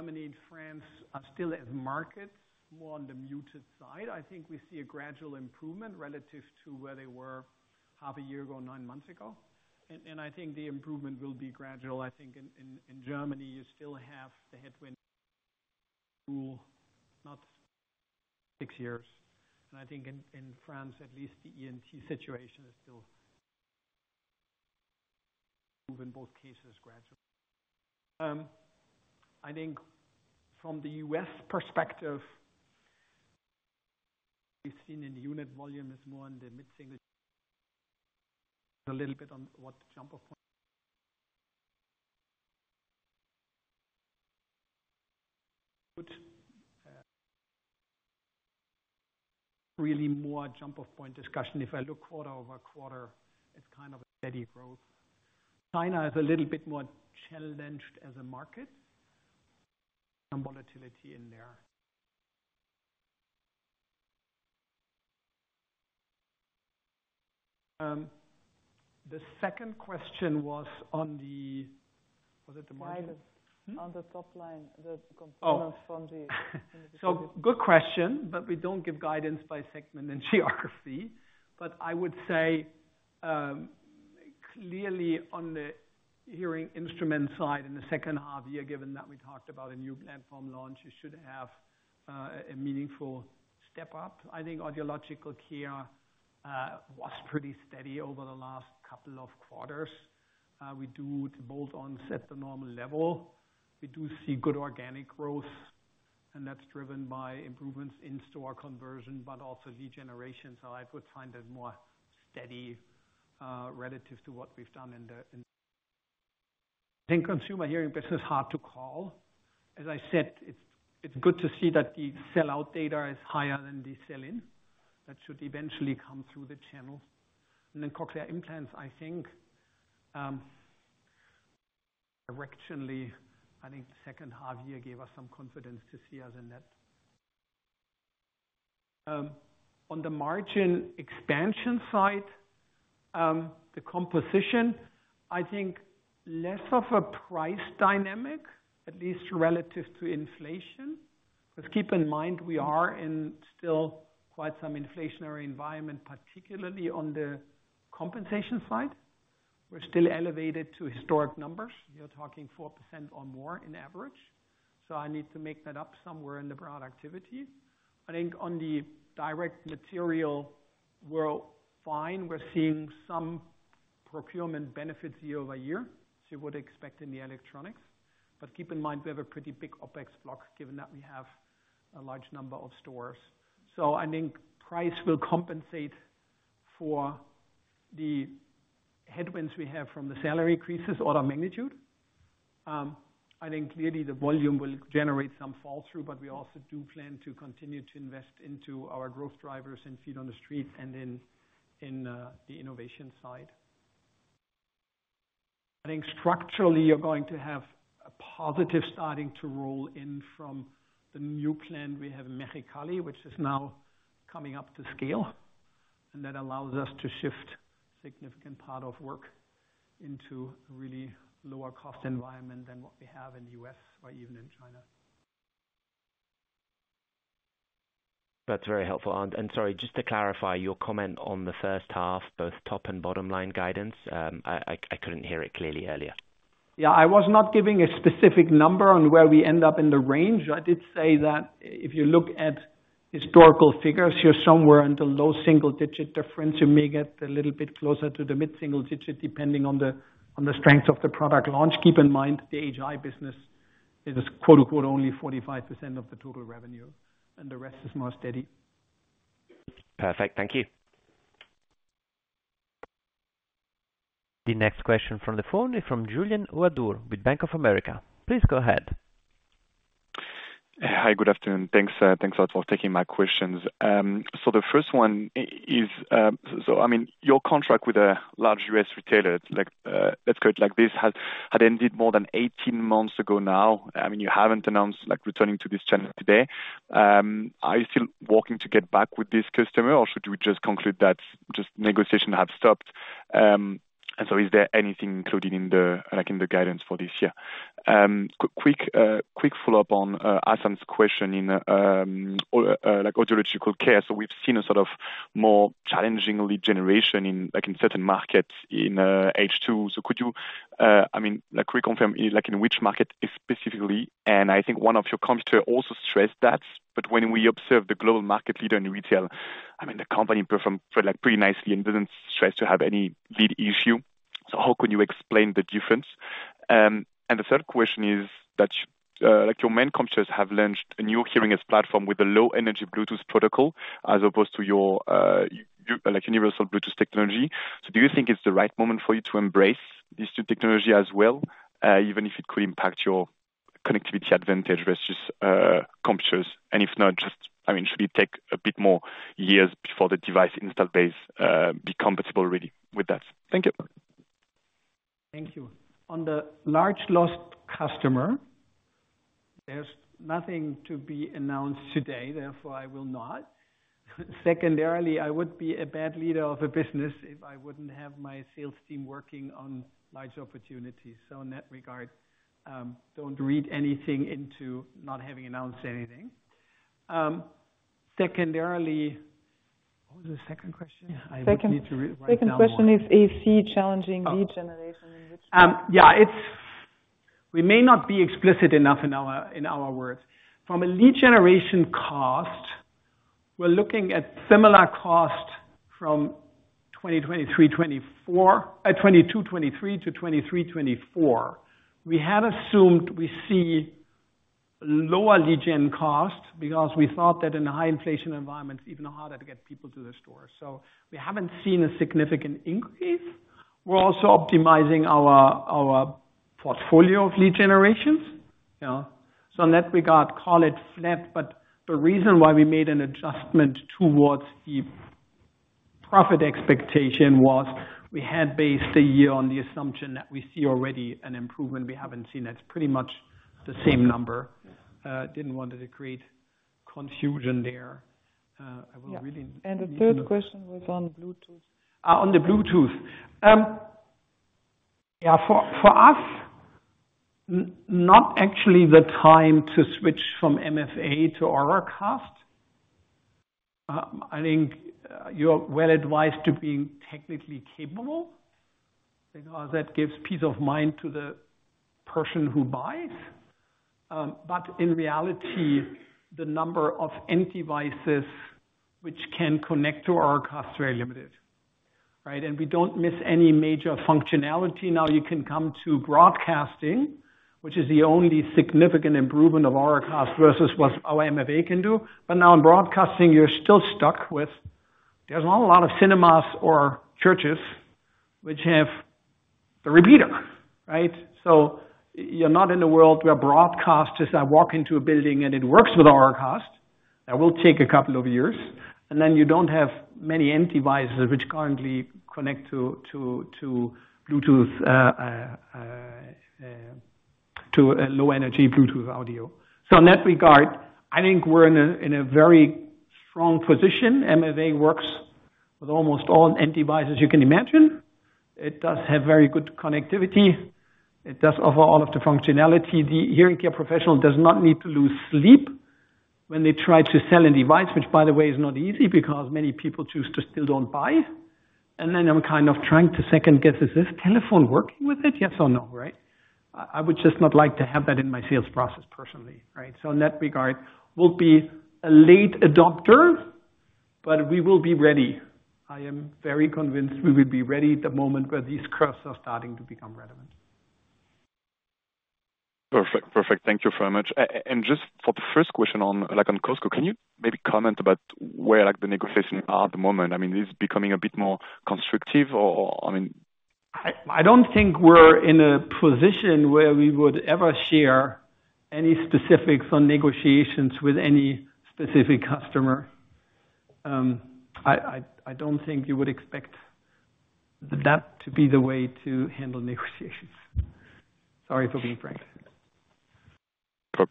S2: Germany and France are still as markets, more on the muted side. I think we see a gradual improvement relative to where they were half a year ago, nine months ago. And I think the improvement will be gradual. I think in Germany, you still have the headwind renewal, not six years. And I think in France, at least the ENT situation is still in both cases gradual. I think from the US perspective, we've seen in unit volume is more on the mid-single a little bit on what jump-off point really more jump-off point discussion. If I look quarter-over-quarter, it's kind of steady growth. China is a little bit more challenged as a market. Some volatility in there. The second question was it the margin?
S5: Guidance on the top line, the components from the.
S2: So good question, but we don't give guidance by segment and geography. But I would say clearly, on the hearing instrument side, in the second half year, given that we talked about a new platform launch, you should have a meaningful step up. I think Audiological Care was pretty steady over the last couple of quarters. We do bolt-ons at the normal level. We do see good organic growth, and that's driven by improvements in store conversion, but also lead generation. So I would find that more steady relative to what we've done in the. I think Consumer Hearing business is hard to call. As I said, it's good to see that the sell-out data is higher than the sell-in. That should eventually come through the channel. And then cochlear implants, I think directionally, I think the second half year gave us some confidence to see us in that. On the margin expansion side, the composition, I think less of a price dynamic, at least relative to inflation. Because keep in mind, we are in still quite some inflationary environment, particularly on the compensation side. We're still elevated to historic numbers. You're talking 4% or more in average. So I need to make that up somewhere in the productivity. I think on the direct material, we're fine. We're seeing some procurement benefits year-over-year, as you would expect in the electronics. But keep in mind, we have a pretty big OPEX block, given that we have a large number of stores. So I think price will compensate for the headwinds we have from the salary increases or the magnitude. I think clearly, the volume will generate some fall-through, but we also do plan to continue to invest into our growth drivers in feet on the street and in the innovation side. I think structurally, you're going to have a positive starting to roll in from the new plant we have, Mexicali, which is now coming up to scale. And that allows us to shift significant part of work into a really lower-cost environment than what we have in the US or even in China.
S5: That's very helpful. Sorry, just to clarify, your comment on the first half, both top and bottom-line guidance, I couldn't hear it clearly earlier.
S2: Yeah. I was not giving a specific number on where we end up in the range. I did say that if you look at historical figures, you're somewhere in the low single-digit difference. You may get a little bit closer to the mid-single digit depending on the strength of the product launch. Keep in mind, the HI business is, quote-unquote, "only 45% of the total revenue," and the rest is more steady.
S5: Perfect. Thank you.
S1: The next question from the phone is from Julien Ouaddour with Bank of America. Please go ahead.
S6: Hi. Good afternoon. Thanks a lot for taking my questions. So the first one is, so I mean, your contract with a large U.S. retailer, let's call it like this, had ended more than 18 months ago now. I mean, you haven't announced returning to this channel today. Are you still working to get back with this customer, or should we just conclude that just negotiations have stopped? And so is there anything included in the guidance for this year? Quick follow-up on Hassan's question in Audiological Care. So we've seen a sort of more challenging lead generation in certain markets in H2. So could you, I mean, reconfirm in which market specifically? And I think one of your competitors also stressed that. But when we observe the global market leader in retail, I mean, the company performed pretty nicely and didn't stress to have any lead issue. How can you explain the difference? The third question is that your main competitors have launched a new hearing aids platform with a low-energy Bluetooth protocol as opposed to your universal Bluetooth technology. Do you think it's the right moment for you to embrace these two technologies as well, even if it could impact your connectivity advantage versus competitors? If not, just, I mean, should it take a bit more years before the device install base becomes compatible really with that? Thank you.
S2: Thank you. On the large lost customer, there's nothing to be announced today. Therefore, I will not. Secondarily, I would be a bad leader of a business if I wouldn't have my sales team working on large opportunities. So in that regard, don't read anything into not having announced anything. Secondarily, what was the second question? I need to write down.
S3: Second question is, if you see challenging lead generation, in which way?
S2: Yeah. We may not be explicit enough in our words. From a lead generation cost, we're looking at similar cost from 2023-2023 to 2023-2024. We had assumed we see lower lead-gen cost because we thought that in high-inflation environments, it's even harder to get people to the store. So we haven't seen a significant increase. We're also optimizing our portfolio of lead generations. So in that regard, call it flat. But the reason why we made an adjustment towards the profit expectation was we had based the year on the assumption that we see already an improvement. We haven't seen it. It's pretty much the same number. Didn't want to create confusion there. I will really.
S3: The third question was on Bluetooth.
S2: On the Bluetooth. Yeah. For us, not actually the time to switch from MFA to Auracast. I think you're well advised to be technically capable because that gives peace of mind to the person who buys. But in reality, the number of end devices which can connect to Auracast is very limited, right? And we don't miss any major functionality. Now, you can come to broadcasting, which is the only significant improvement of Auracast versus what our MFA can do. But now, in broadcasting, you're still stuck with there's not a lot of cinemas or churches which have the repeater, right? So you're not in a world where broadcasters walk into a building and it works with Auracast. That will take a couple of years. And then you don't have many end devices which currently connect to Bluetooth, to low-energy Bluetooth audio. So in that regard, I think we're in a very strong position. MFA works with almost all end devices you can imagine. It does have very good connectivity. It does offer all of the functionality. The hearing care professional does not need to lose sleep when they try to sell a device, which, by the way, is not easy because many people choose to still don't buy. And then I'm kind of trying to second guess, is this telephone working with it? Yes or no, right? I would just not like to have that in my sales process personally, right? So in that regard, we'll be a late adopter, but we will be ready. I am very convinced we will be ready the moment where these curves are starting to become relevant.
S6: Perfect. Perfect. Thank you very much. And just for the first question on Costco, can you maybe comment about where the negotiations are at the moment? I mean, is it becoming a bit more constructive, or I mean.
S2: I don't think we're in a position where we would ever share any specifics on negotiations with any specific customer. I don't think you would expect that to be the way to handle negotiations. Sorry for being frank.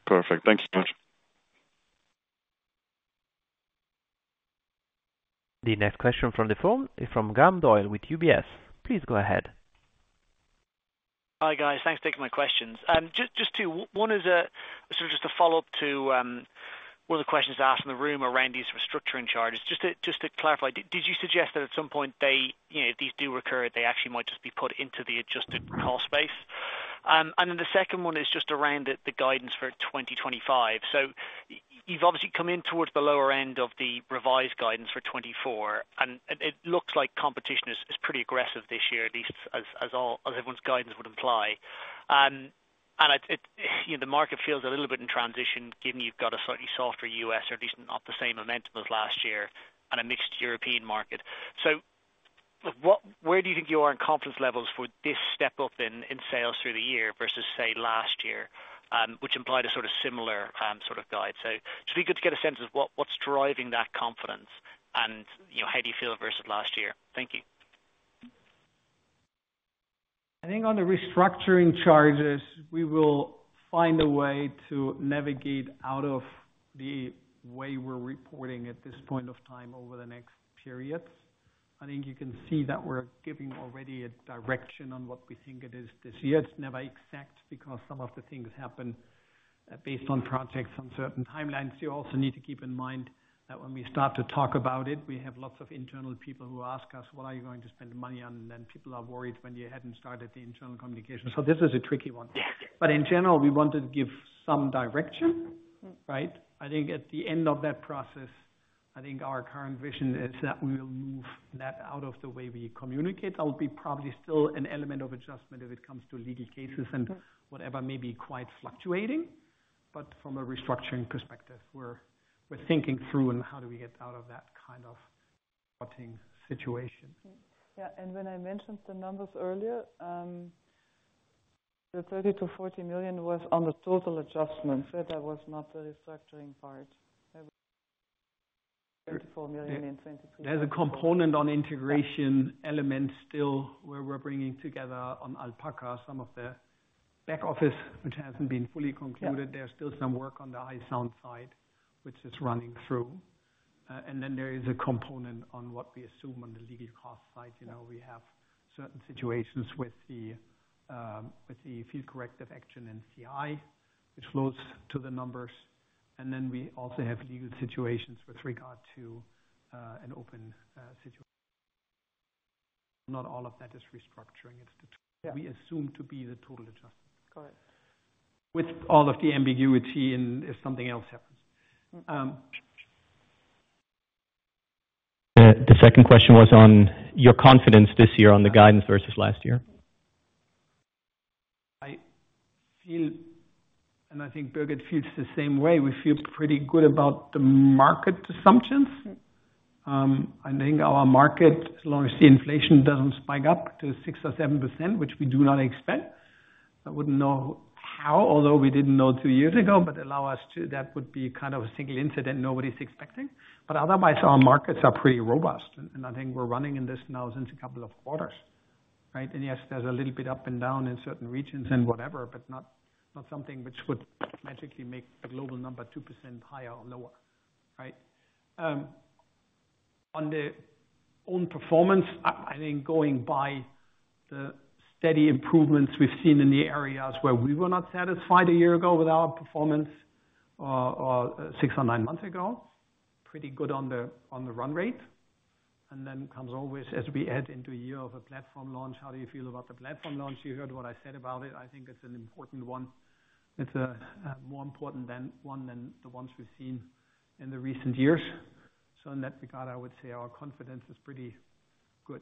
S6: Perfect. Thank you so much.
S1: The next question from the phone is from Graham Doyle with UBS. Please go ahead.
S7: Hi, guys. Thanks for taking my questions. Just two. One is sort of just a follow-up to one of the questions asked in the room around these restructuring charges. Just to clarify, did you suggest that at some point, if these do recur, they actually might just be put into the adjusted cost space? And then the second one is just around the guidance for 2025. So you've obviously come in towards the lower end of the revised guidance for 2024. And it looks like competition is pretty aggressive this year, at least as everyone's guidance would imply. And the market feels a little bit in transition, given you've got a slightly softer U.S. or at least not the same momentum as last year and a mixed European market. So where do you think you are in confidence levels for this step up in sales through the year versus, say, last year, which implied a sort of similar sort of guide? So it should be good to get a sense of what's driving that confidence and how do you feel versus last year. Thank you.
S2: I think on the restructuring charges, we will find a way to navigate out of the way we're reporting at this point of time over the next period. I think you can see that we're giving already a direction on what we think it is this year. It's never exact because some of the things happen based on projects on certain timelines. You also need to keep in mind that when we start to talk about it, we have lots of internal people who ask us, "What are you going to spend the money on?" And then people are worried when you hadn't started the internal communication. So this is a tricky one. But in general, we want to give some direction, right? I think at the end of that process, I think our current vision is that we will move that out of the way we communicate. There'll be probably still an element of adjustment if it comes to legal cases and whatever, maybe quite fluctuating. But from a restructuring perspective, we're thinking through, and how do we get out of that kind of spotting situation?
S3: Yeah. When I mentioned the numbers earlier, the 30 million-40 million was on the total adjustments. That was not the restructuring part. CHF 34 million in 2023.
S2: There's a component on integration element still where we're bringing together on Alpaca some of the back office, which hasn't been fully concluded. There's still some work on the HYSOUND side, which is running through. And then there is a component on what we assume on the legal cost side. We have certain situations with the field corrective action in CI, which flows to the numbers. And then we also have legal situations with regard to an open situation. Not all of that is restructuring. It's the we assume to be the total adjustment.
S7: Got it.
S2: With all of the ambiguity if something else happens.
S7: The second question was on your confidence this year on the guidance versus last year.
S2: I think Birgit feels the same way. We feel pretty good about the market assumptions. I think our market, as long as the inflation doesn't spike up to 6% or 7%, which we do not expect, I wouldn't know how, although we didn't know two years ago. But allow us to, that would be kind of a single incident nobody's expecting. But otherwise, our markets are pretty robust. And I think we're running in this now since a couple of quarters, right? And yes, there's a little bit up and down in certain regions and whatever, but not something which would magically make the global number 2% higher or lower, right? On our own performance, I think going by the steady improvements we've seen in the areas where we were not satisfied a year ago with our performance or 6 or 9 months ago, pretty good on the run rate. Then comes always, as we head into a year of a platform launch, how do you feel about the platform launch? You heard what I said about it. I think it's an important one. It's more important than the ones we've seen in the recent years. In that regard, I would say our confidence is pretty good.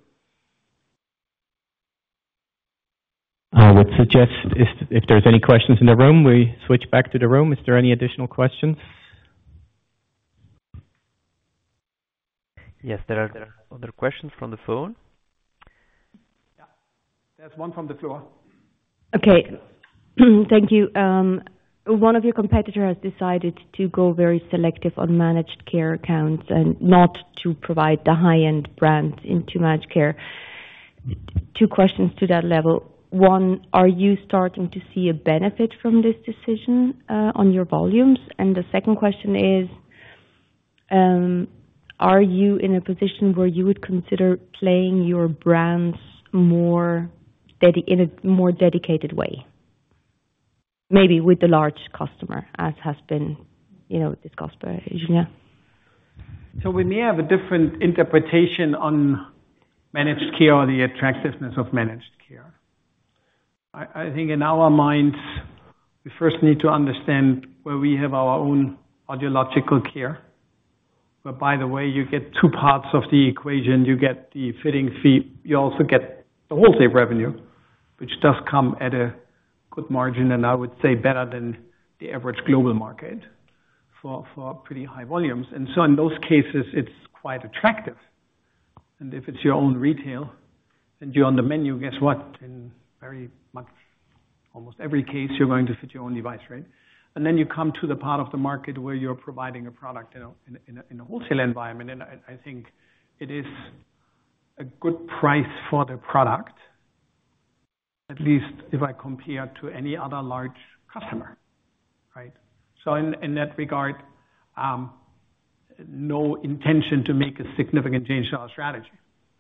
S1: I would suggest, if there's any questions in the room, we switch back to the room. Is there any additional questions? Yes. There are other questions from the phone.
S3: Yeah. There's one from the floor.
S8: Okay. Thank you. One of your competitors has decided to go very selective on managed care accounts and not to provide the high-end brands into managed care. Two questions to that level. One, are you starting to see a benefit from this decision on your volumes? And the second question is, are you in a position where you would consider playing your brands more in a more dedicated way, maybe with the large customer, as has been discussed by Julien?
S2: So we may have a different interpretation on managed care or the attractiveness of managed care. I think in our minds, we first need to understand where we have our own Audiological Care. Where, by the way, you get two parts of the equation. You get the fitting fee. You also get the wholesale revenue, which does come at a good margin, and I would say better than the average global market for pretty high volumes. And so in those cases, it's quite attractive. And if it's your own retail and you're on the menu, guess what? In very much, almost every case, you're going to fit your own device, right? And then you come to the part of the market where you're providing a product in a wholesale environment. I think it is a good price for the product, at least if I compare to any other large customer, right? So in that regard, no intention to make a significant change to our strategy.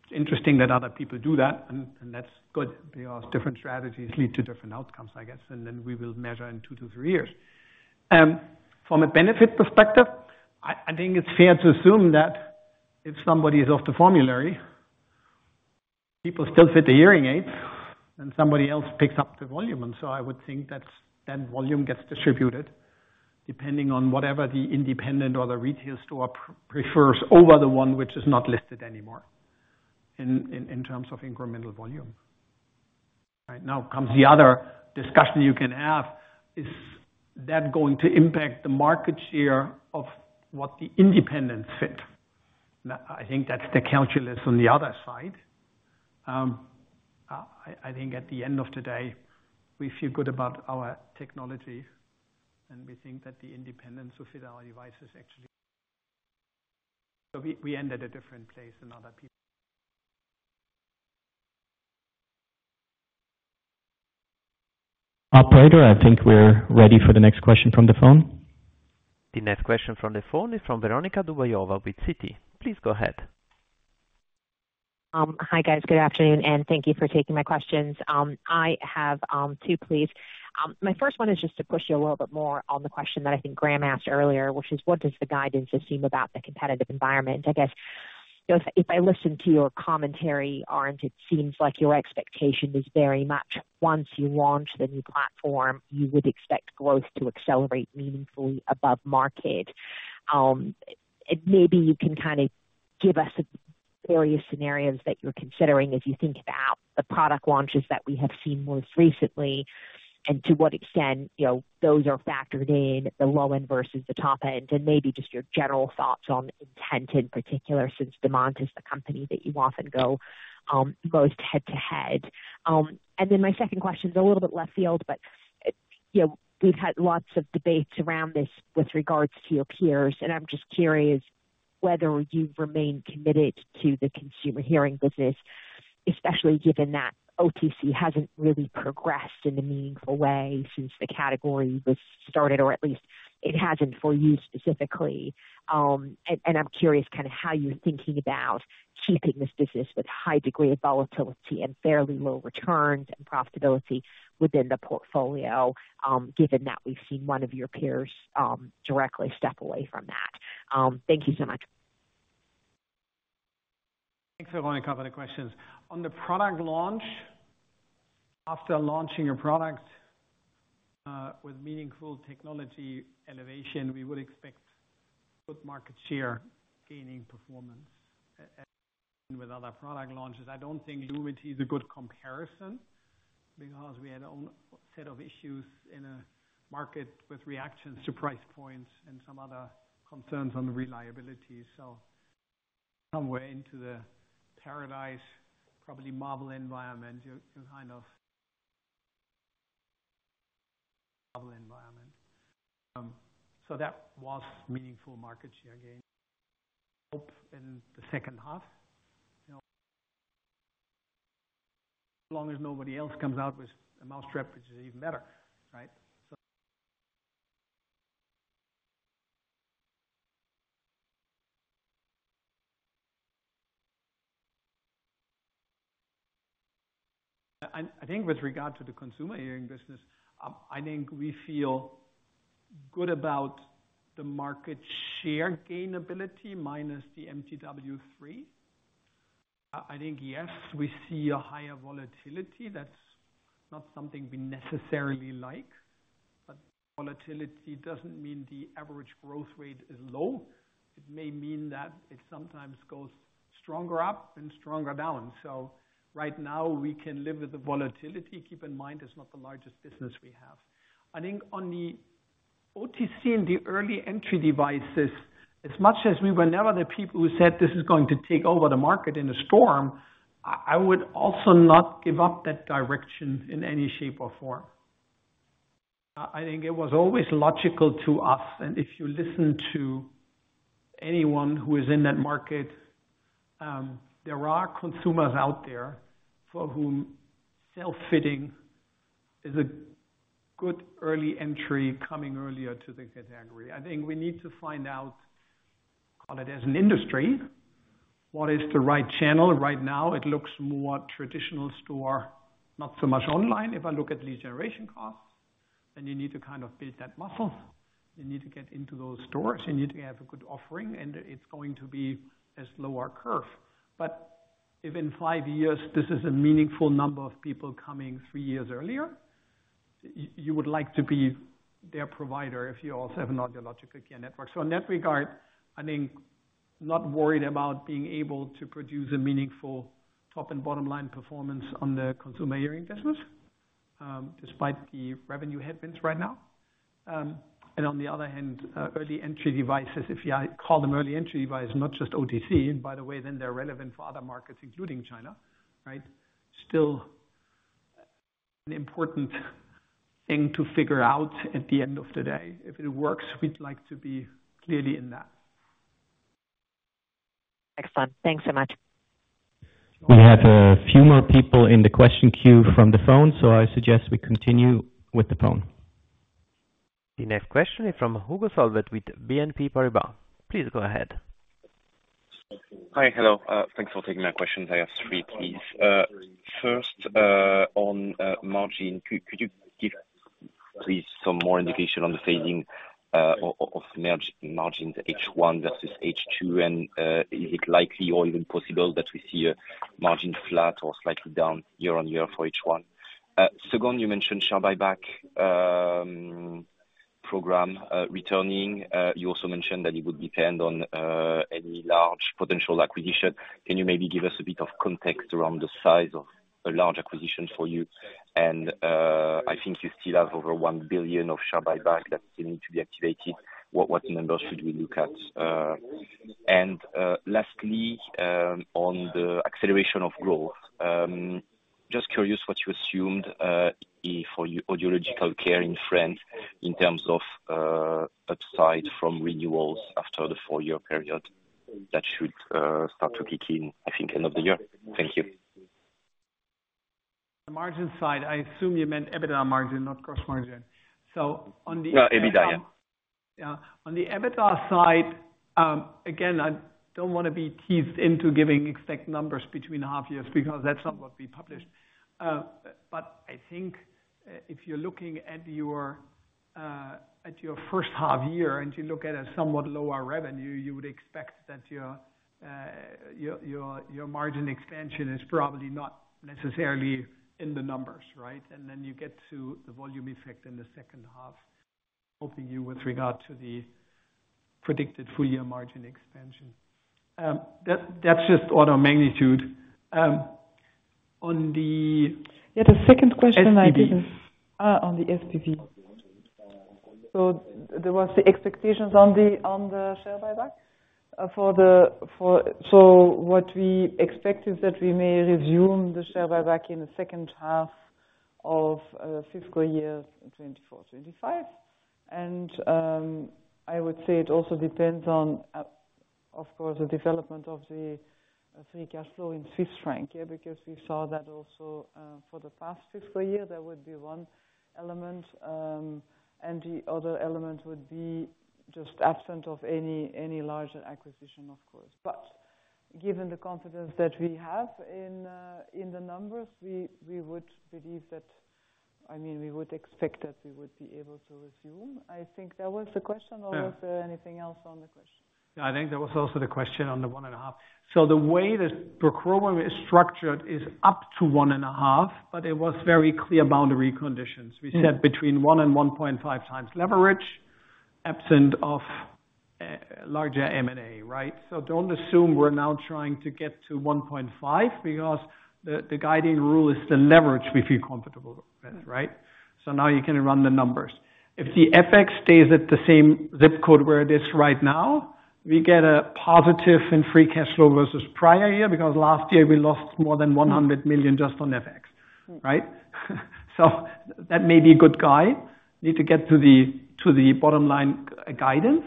S2: It's interesting that other people do that. And that's good because different strategies lead to different outcomes, I guess. And then we will measure in 2-3 years. From a benefit perspective, I think it's fair to assume that if somebody is off the formulary, people still fit the hearing aids, and somebody else picks up the volume. And so I would think that volume gets distributed depending on whatever the independent or the retail store prefers over the one which is not listed anymore in terms of incremental volume, right? Now comes the other discussion you can have. Is that going to impact the market share of what the independents fit? I think that's the calculus on the other side. I think at the end of the day, we feel good about our technology, and we think that the independents who fit our devices actually end at a different place than other people.
S1: Operator, I think we're ready for the next question from the phone. The next question from the phone is from Veronika Dubajova with Citi. Please go ahead.
S9: Hi, guys. Good afternoon. Thank you for taking my questions. I have two, please. My first one is just to push you a little bit more on the question that I think Graham asked earlier, which is, what does the guidance assume about the competitive environment? I guess if I listen to your commentary, Arnd, it seems like your expectation is very much, once you launch the new platform, you would expect growth to accelerate meaningfully above market. Maybe you can kind of give us various scenarios that you're considering as you think about the product launches that we have seen most recently and to what extent those are factored in, the low-end versus the top-end, and maybe just your general thoughts on Demant in particular since Demant is the company that you often go most head-to-head. My second question's a little bit left field, but we've had lots of debates around this with regards to your peers. I'm just curious whether you remain committed to the Consumer Hearing business, especially given that OTC hasn't really progressed in a meaningful way since the category was started, or at least it hasn't for you specifically. I'm curious kind of how you're thinking about keeping this business with a high degree of volatility and fairly low returns and profitability within the portfolio, given that we've seen one of your peers directly step away from that. Thank you so much.
S2: Thanks for allowing me to come with the questions. On the product launch, after launching your product with meaningful technology elevation, we would expect good market share gaining performance with other product launches. I don't think Lumity is a good comparison because we had our own set of issues in a market with reactions to price points and some other concerns on reliability. So somewhere into the Paradise, probably Marvel environment, you'll kind of Marvel environment. So that was meaningful market share gain. Hope in the second half, as long as nobody else comes out with a mousetrap, which is even better, right? I think with regard to the Consumer Hearing business, I think we feel good about the market share gainability minus the MTW3. I think, yes, we see a higher volatility. That's not something we necessarily like. But volatility doesn't mean the average growth rate is low. It may mean that it sometimes goes stronger up and stronger down. So right now, we can live with the volatility. Keep in mind, it's not the largest business we have. I think on the OTC and the early-entry devices, as much as we were never the people who said, "This is going to take over the market in a storm," I would also not give up that direction in any shape or form. I think it was always logical to us. And if you listen to anyone who is in that market, there are consumers out there for whom self-fitting is a good early entry coming earlier to the category. I think we need to find out, call it as an industry, what is the right channel. Right now, it looks more traditional store, not so much online. If I look at lead generation costs, then you need to kind of build that muscle. You need to get into those stores. You need to have a good offering. And it's going to be as low our curve. But if in five years, this is a meaningful number of people coming three years earlier, you would like to be their provider if you also have an Audiological Care network. So in that regard, I think not worried about being able to produce a meaningful top-and-bottom-line performance on the Consumer Hearing business despite the revenue headwinds right now. And on the other hand, early-entry devices, if you call them early-entry devices, not just OTC, and by the way, then they're relevant for other markets, including China, right, still an important thing to figure out at the end of the day. If it works, we'd like to be clearly in that.
S9: Excellent. Thanks so much.
S3: We have a few more people in the question queue from the phone. So I suggest we continue with the phone.
S1: The next question is from Hugo Solvet with BNP Paribas. Please go ahead.
S10: Hi. Hello. Thanks for taking my questions. I have three, please. First, on margin, could you give, please, some more indication on the phasing of margins, H1 versus H2? Is it likely or even possible that we see a margin flat or slightly down year on year for H1? Second, you mentioned share buyback program returning. You also mentioned that it would depend on any large potential acquisition. Can you maybe give us a bit of context around the size of a large acquisition for you? I think you still have over 1 billion of Share buyback that still need to be activated. What numbers should we look at? Lastly, on the acceleration of growth, just curious what you assumed for your Audiological Care in France in terms of upside from renewals after the four-year period that should start to kick in, I think, end of the year. Thank you.
S2: The margin side, I assume you meant EBITDA margin, not gross margin. So on the.
S10: No, EBITDA, yeah.
S2: Yeah. On the EBITDA side, again, I don't want to be teased into giving exact numbers between half years because that's not what we published. But I think if you're looking at your first half year and you look at a somewhat lower revenue, you would expect that your margin expansion is probably not necessarily in the numbers, right? And then you get to the volume effect in the second half, helping you with regard to the predicted full-year margin expansion. That's just order of magnitude. On the.
S3: Yeah. The second question, I didn't. On the SPV. So there was the expectations on the share buyback for the so what we expect is that we may resume the share buyback in the second half of fiscal year 2024/25. And I would say it also depends on, of course, the development of the free cash flow in Swiss franc, yeah, because we saw that also for the past fiscal year. That would be one element. And the other element would be just absence of any larger acquisition, of course. But given the confidence that we have in the numbers, we would believe that I mean, we would expect that we would be able to resume. I think that was the question. Or was there anything else on the question?
S2: Yeah. I think there was also the question on the 1.5. So the way the program is structured is up to 1.5, but it was very clear boundary conditions. We said between 1 and 1.5x leverage, absent of larger M&A, right? So don't assume we're now trying to get to 1.5 because the guiding rule is the leverage we feel comfortable with, right? So now you can run the numbers. If the FX stays at the same zip code where it is right now, we get a positive in free cash flow versus prior year because last year, we lost more than 100 million just on FX, right? So that may be a good guide. Need to get to the bottom-line guidance.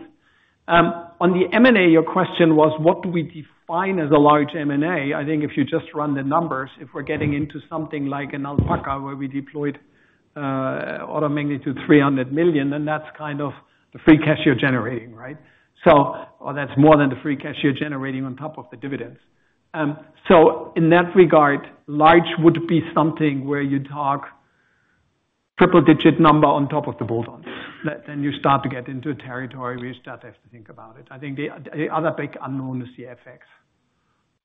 S2: On the M&A, your question was, what do we define as a large M&A? I think if you just run the numbers, if we're getting into something like an Alpaca where we deployed order of magnitude 300 million, then that's kind of the free cash you're generating, right? Or that's more than the free cash you're generating on top of the dividends. So in that regard, large would be something where you talk triple-digit number on top of the build on. Then you start to get into a territory where you start to have to think about it. I think the other big unknown is the FX,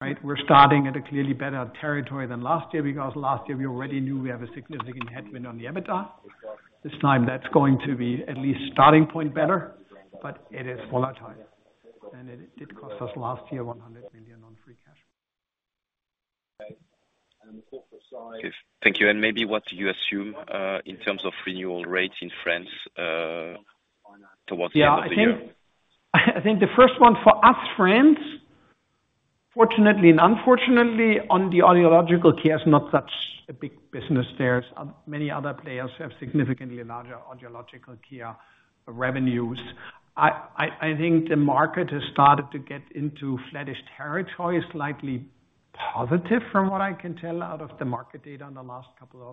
S2: right? We're starting at a clearly better territory than last year because last year, we already knew we have a significant headwind on the EBITDA. This time, that's going to be at least starting point better, but it is volatile. And it did cost us last year 100 million on free cash.
S10: On the corporate side. Thank you. Maybe what do you assume in terms of renewal rates in France towards the end of the year?
S2: Yeah. I think the first one, for us, France, fortunately and unfortunately, on the Audiological Care, is not such a big business there. Many other players have significantly larger Audiological Care revenues. I think the market has started to get into flatter territory, slightly positive from what I can tell out of the market data in the last couple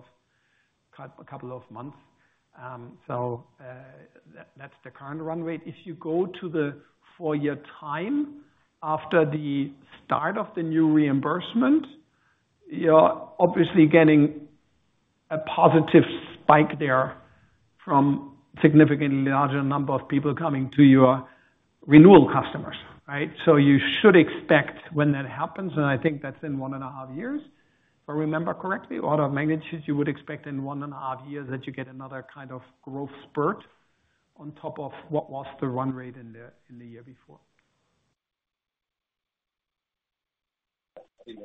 S2: of months. So that's the current run rate. If you go to the four-year time after the start of the new reimbursement, you're obviously getting a positive spike there from a significantly larger number of people coming to your renewal customers, right? You should expect when that happens, and I think that's in one and a half years, if I remember correctly, order of magnitude, you would expect in one and a half years that you get another kind of growth spurt on top of what was the run rate in the year before.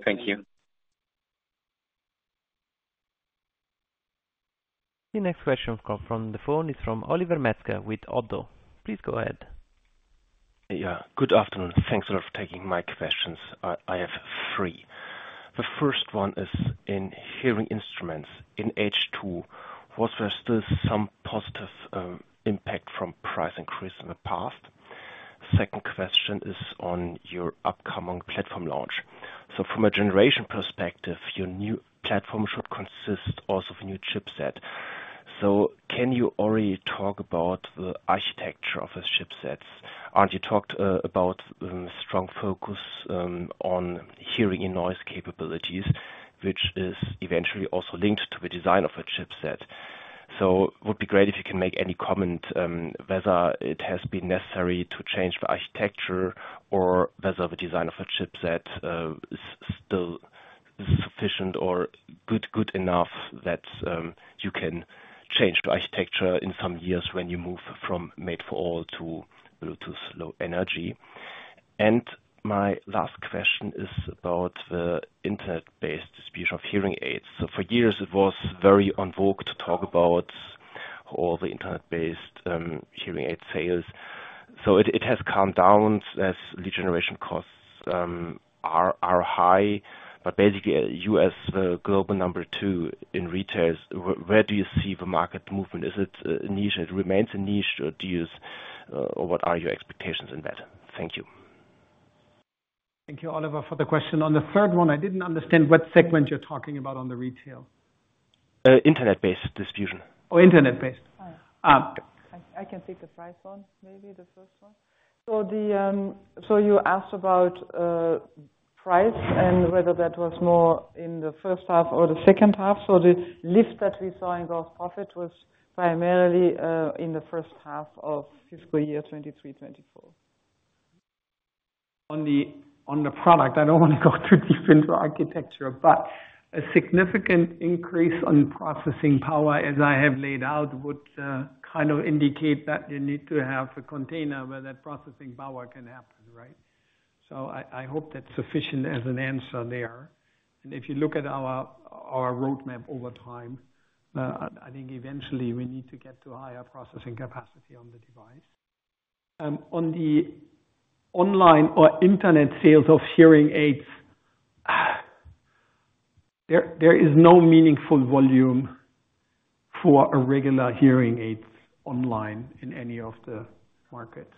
S10: Thank you.
S1: The next question from the phone is from Oliver Metzger with ODDO. Please go ahead.
S11: Yeah. Good afternoon. Thanks a lot for taking my questions. I have three. The first one is in hearing instruments in H2, was there still some positive impact from price increase in the past? Second question is on your upcoming platform launch. So from a generation perspective, your new platform should consist also of a new chipset. So can you already talk about the architecture of the chipsets? Aren't you talked about a strong focus on hearing in noise capabilities, which is eventually also linked to the design of a chipset? So it would be great if you can make any comment whether it has been necessary to change the architecture or whether the design of a chipset is still sufficient or good enough that you can change the architecture in some years when you move from made-for-all to Bluetooth low energy. My last question is about the internet-based distribution of hearing aids. So for years, it was very en vogue to talk about all the internet-based hearing aid sales. So it has calmed down as lead generation costs are high. But basically, you as the global number two in retail, where do you see the market movement? Is it a niche? It remains a niche, or what are your expectations in that? Thank you.
S2: Thank you, Oliver, for the question. On the third one, I didn't understand what segment you're talking about on the retail.
S11: Internet-based distribution.
S2: Oh, internet-based.
S3: I can take the price one, maybe, the first one. So you asked about price and whether that was more in the first half or the second half. So the lift that we saw in gross profit was primarily in the first half of fiscal year 2023/2024.
S2: On the product, I don't want to go too deep into architecture, but a significant increase in processing power, as I have laid out, would kind of indicate that you need to have a container where that processing power can happen, right? So I hope that's sufficient as an answer there. And if you look at our roadmap over time, I think eventually, we need to get to higher processing capacity on the device. On the online or internet sales of hearing aids, there is no meaningful volume for regular hearing aids online in any of the markets.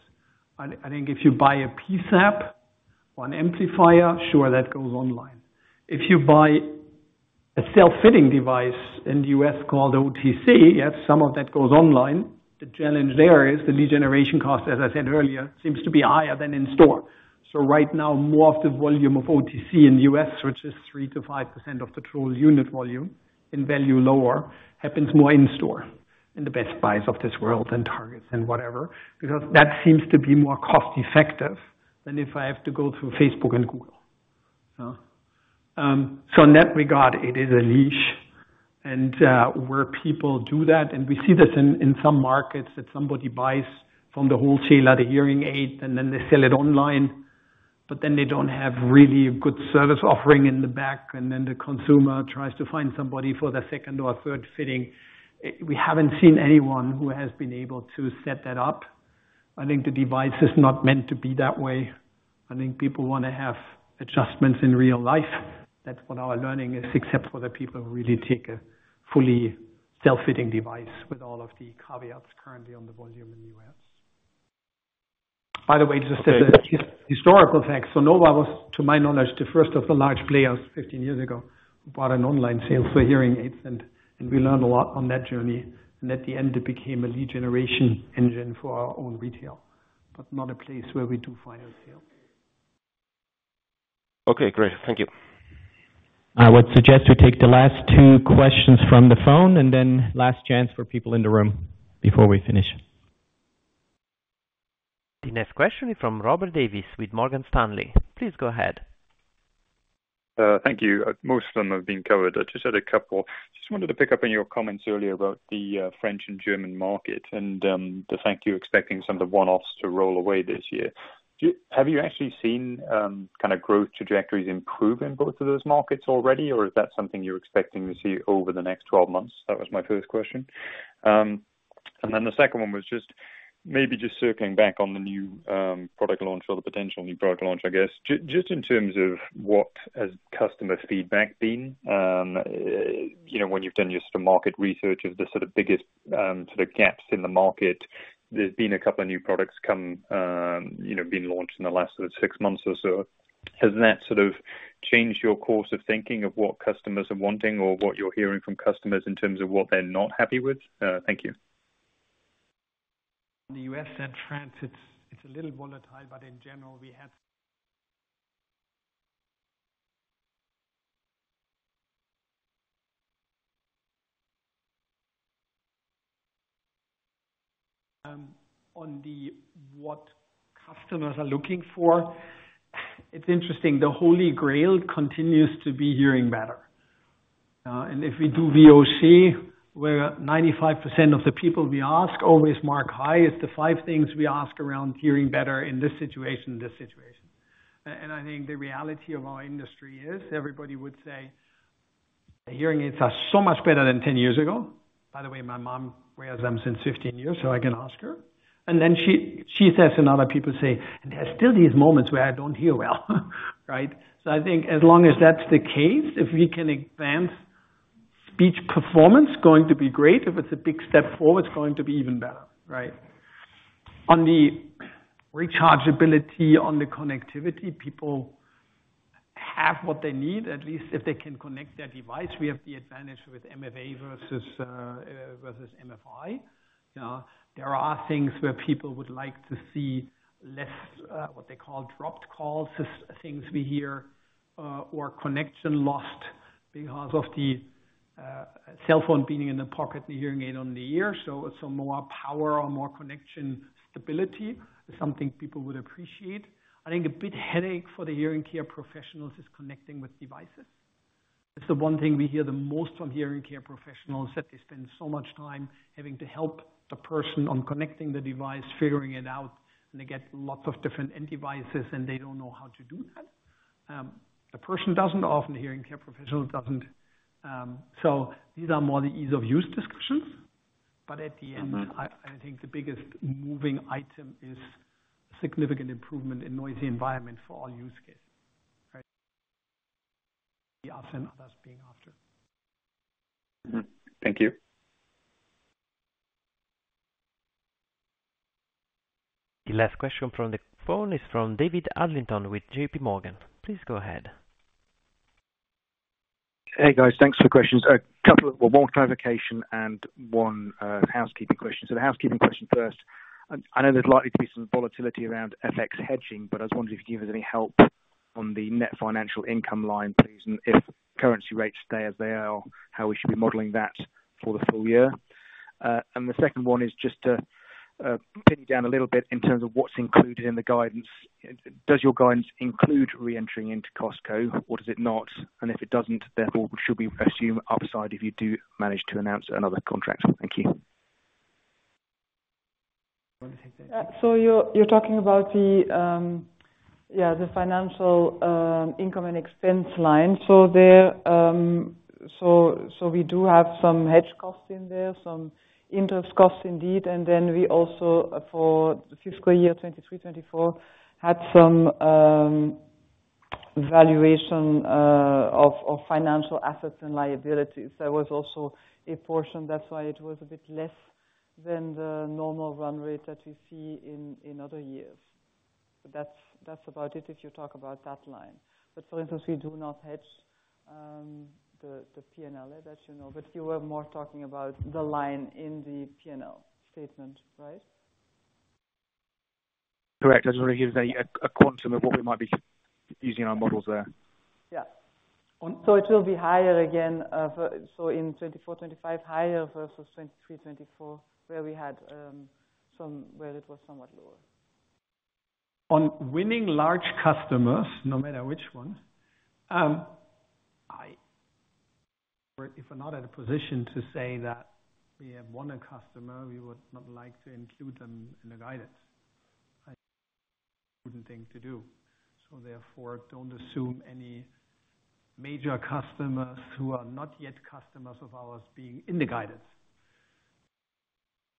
S2: I think if you buy a PSAP, one amplifier, sure, that goes online. If you buy a self-fitting device in the U.S. called OTC, yes, some of that goes online. The challenge there is the lead generation cost, as I said earlier, seems to be higher than in-store. So right now, more of the volume of OTC in the U.S., which is 3%-5% of the total unit volume in value lower, happens more in-store in the Best Buys of this world and Target and whatever because that seems to be more cost-effective than if I have to go through Facebook and Google. So in that regard, it is a niche. And where people do that and we see this in some markets that somebody buys from the wholesaler the hearing aid, and then they sell it online, but then they don't have really a good service offering in the back. And then the consumer tries to find somebody for the second or third fitting. We haven't seen anyone who has been able to set that up. I think the device is not meant to be that way. I think people want to have adjustments in real life. That's what our learning is, except for the people who really take a fully self-fitting device with all of the caveats currently on the volume in the US. By the way, just as a historical fact, Sonova was, to my knowledge, the first of the large players 15 years ago who bought an online sales for hearing aids. We learned a lot on that journey. At the end, it became a lead generation engine for our own retail, but not a place where we do final sales.
S11: Okay. Great. Thank you.
S1: I would suggest we take the last two questions from the phone and then last chance for people in the room before we finish. The next question is from Robert Davies with Morgan Stanley. Please go ahead.
S12: Thank you. Most of them have been covered. I just had a couple. I just wanted to pick up on your comments earlier about the French and German market and the fact you're expecting some of the one-offs to roll away this year. Have you actually seen kind of growth trajectories improve in both of those markets already, or is that something you're expecting to see over the next 12 months? That was my first question. And then the second one was maybe just circling back on the new product launch or the potential new product launch, I guess, just in terms of what has customer feedback been? When you've done your sort of market research of the sort of biggest sort of gaps in the market, there's been a couple of new products being launched in the last sort of 6 months or so. Has that sort of changed your course of thinking of what customers are wanting or what you're hearing from customers in terms of what they're not happy with? Thank you.
S2: In the U.S. and France, it's a little volatile. But in general, we had. On what customers are looking for, it's interesting. The Holy Grail continues to be hearing better. And if we do VOC, where 95% of the people we ask always mark high, it's the five things we ask around hearing better in this situation and this situation. And I think the reality of our industry is everybody would say, "Hearing aids are so much better than 10 years ago." By the way, my mom wears them since 15 years, so I can ask her. And then she says and other people say, "And there are still these moments where I don't hear well," right? So I think as long as that's the case, if we can advance speech performance, going to be great. If it's a big step forward, it's going to be even better, right? On the rechargeability, on the connectivity, people have what they need, at least if they can connect their device. We have the advantage with MFA versus MFI. There are things where people would like to see less what they call dropped calls, things we hear, or connection lost because of the cell phone being in the pocket and the hearing aid on the ear. So more power or more connection stability is something people would appreciate. I think a big headache for the hearing care professionals is connecting with devices. It's the one thing we hear the most from hearing care professionals that they spend so much time having to help the person on connecting the device, figuring it out. And they get lots of different end devices, and they don't know how to do that. The person doesn't often. The hearing care professional doesn't. These are more the ease-of-use discussions. But at the end, I think the biggest moving item is significant improvement in noisy environment for all use cases, right, us and others being after.
S12: Thank you.
S1: The last question from the phone is from David Adlington with J.P. Morgan. Please go ahead.
S13: Hey, guys. Thanks for the questions. A couple of one more clarification and one housekeeping question. So the housekeeping question first. I know there's likely to be some volatility around FX hedging, but I was wondering if you could give us any help on the net financial income line, please, and if currency rates stay as they are, how we should be modeling that for the full year. And the second one is just to pin you down a little bit in terms of what's included in the guidance. Does your guidance include reentering into Costco, or does it not? And if it doesn't, therefore, should we assume upside if you do manage to announce another contract? Thank you.
S3: So you're talking about, yeah, the financial income and expense line. So we do have some hedge costs in there, some interest costs indeed. And then we also, for fiscal year 2023/2024, had some valuation of financial assets and liabilities. There was also a portion that's why it was a bit less than the normal run rate that we see in other years. But that's about it if you talk about that line. But for instance, we do not hedge the P&L, as you know. But you were more talking about the line in the P&L statement, right?
S13: Correct. I just want to hear a quantum of what we might be using our models there.
S3: Yeah. It will be higher again, so in 2024/25, higher versus 2023/24, where we had somewhere it was somewhat lower.
S2: On winning large customers, no matter which one, if we're not at a position to say that we have won a customer, we would not like to include them in the guidance. I think that's a good thing to do. So therefore, don't assume any major customers who are not yet customers of ours being in the guidance.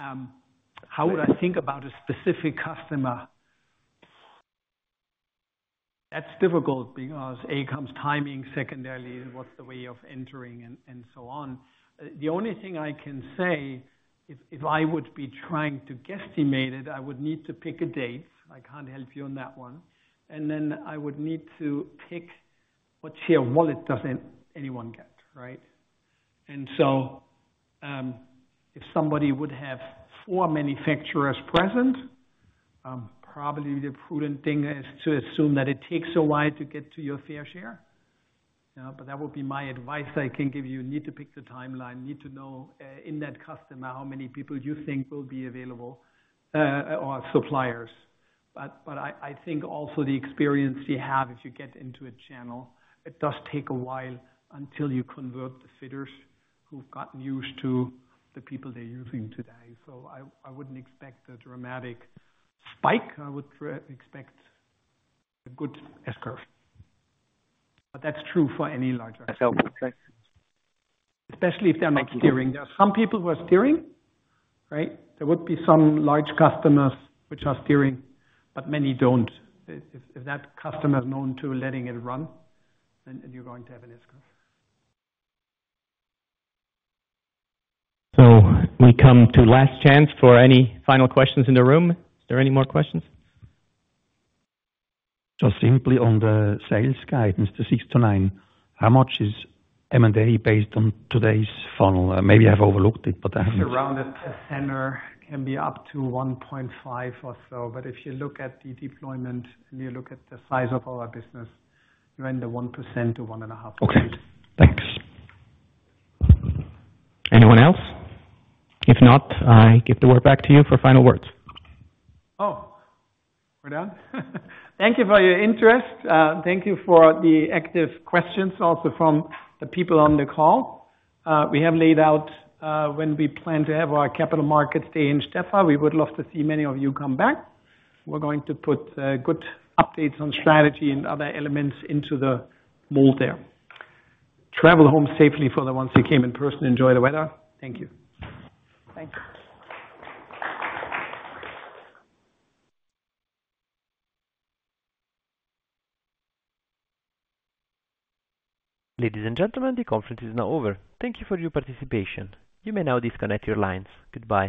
S2: How would I think about a specific customer? That's difficult because, A, comes timing. Secondarily, what's the way of entering and so on. The only thing I can say, if I would be trying to guesstimate it, I would need to pick a date. I can't help you on that one. And then I would need to pick what share wallet doesn't anyone get, right? And so if somebody would have four manufacturers present, probably the prudent thing is to assume that it takes a while to get to your fair share. But that would be my advice I can give you. You need to pick the timeline. You need to know in that customer how many people you think will be available or suppliers. But I think also the experience you have if you get into a channel, it does take a while until you convert the fitters who've gotten used to the people they're using today. So I wouldn't expect a dramatic spike. I would expect a good S-curve. But that's true for any larger.
S13: That's helpful. Thanks.
S2: Especially if they're not steering. There are some people who are steering, right? There would be some large customers which are steering, but many don't. If that customer is known to letting it run, then you're going to have an S-curve.
S1: We come to last chance for any final questions in the room. Is there any more questions?
S14: Just simply on the sales guidance, the 6-9, how much is M&A based on today's funnel? Maybe I have overlooked it, but I haven't.
S2: It's around a center. It can be up to 1.5 or so. But if you look at the deployment and you look at the size of our business, you're in the 1%-1.5%.
S14: Okay. Thanks.
S1: Anyone else? If not, I give the word back to you for final words.
S2: Oh, we're done? Thank you for your interest. Thank you for the active questions also from the people on the call. We have laid out when we plan to have our capital markets day in Stäfa. We would love to see many of you come back. We're going to put good updates on strategy and other elements into the mold there. Travel home safely for the ones who came in person. Enjoy the weather. Thank you.
S1: Thanks. Ladies and gentlemen, the conference is now over. Thank you for your participation. You may now disconnect your lines. Goodbye.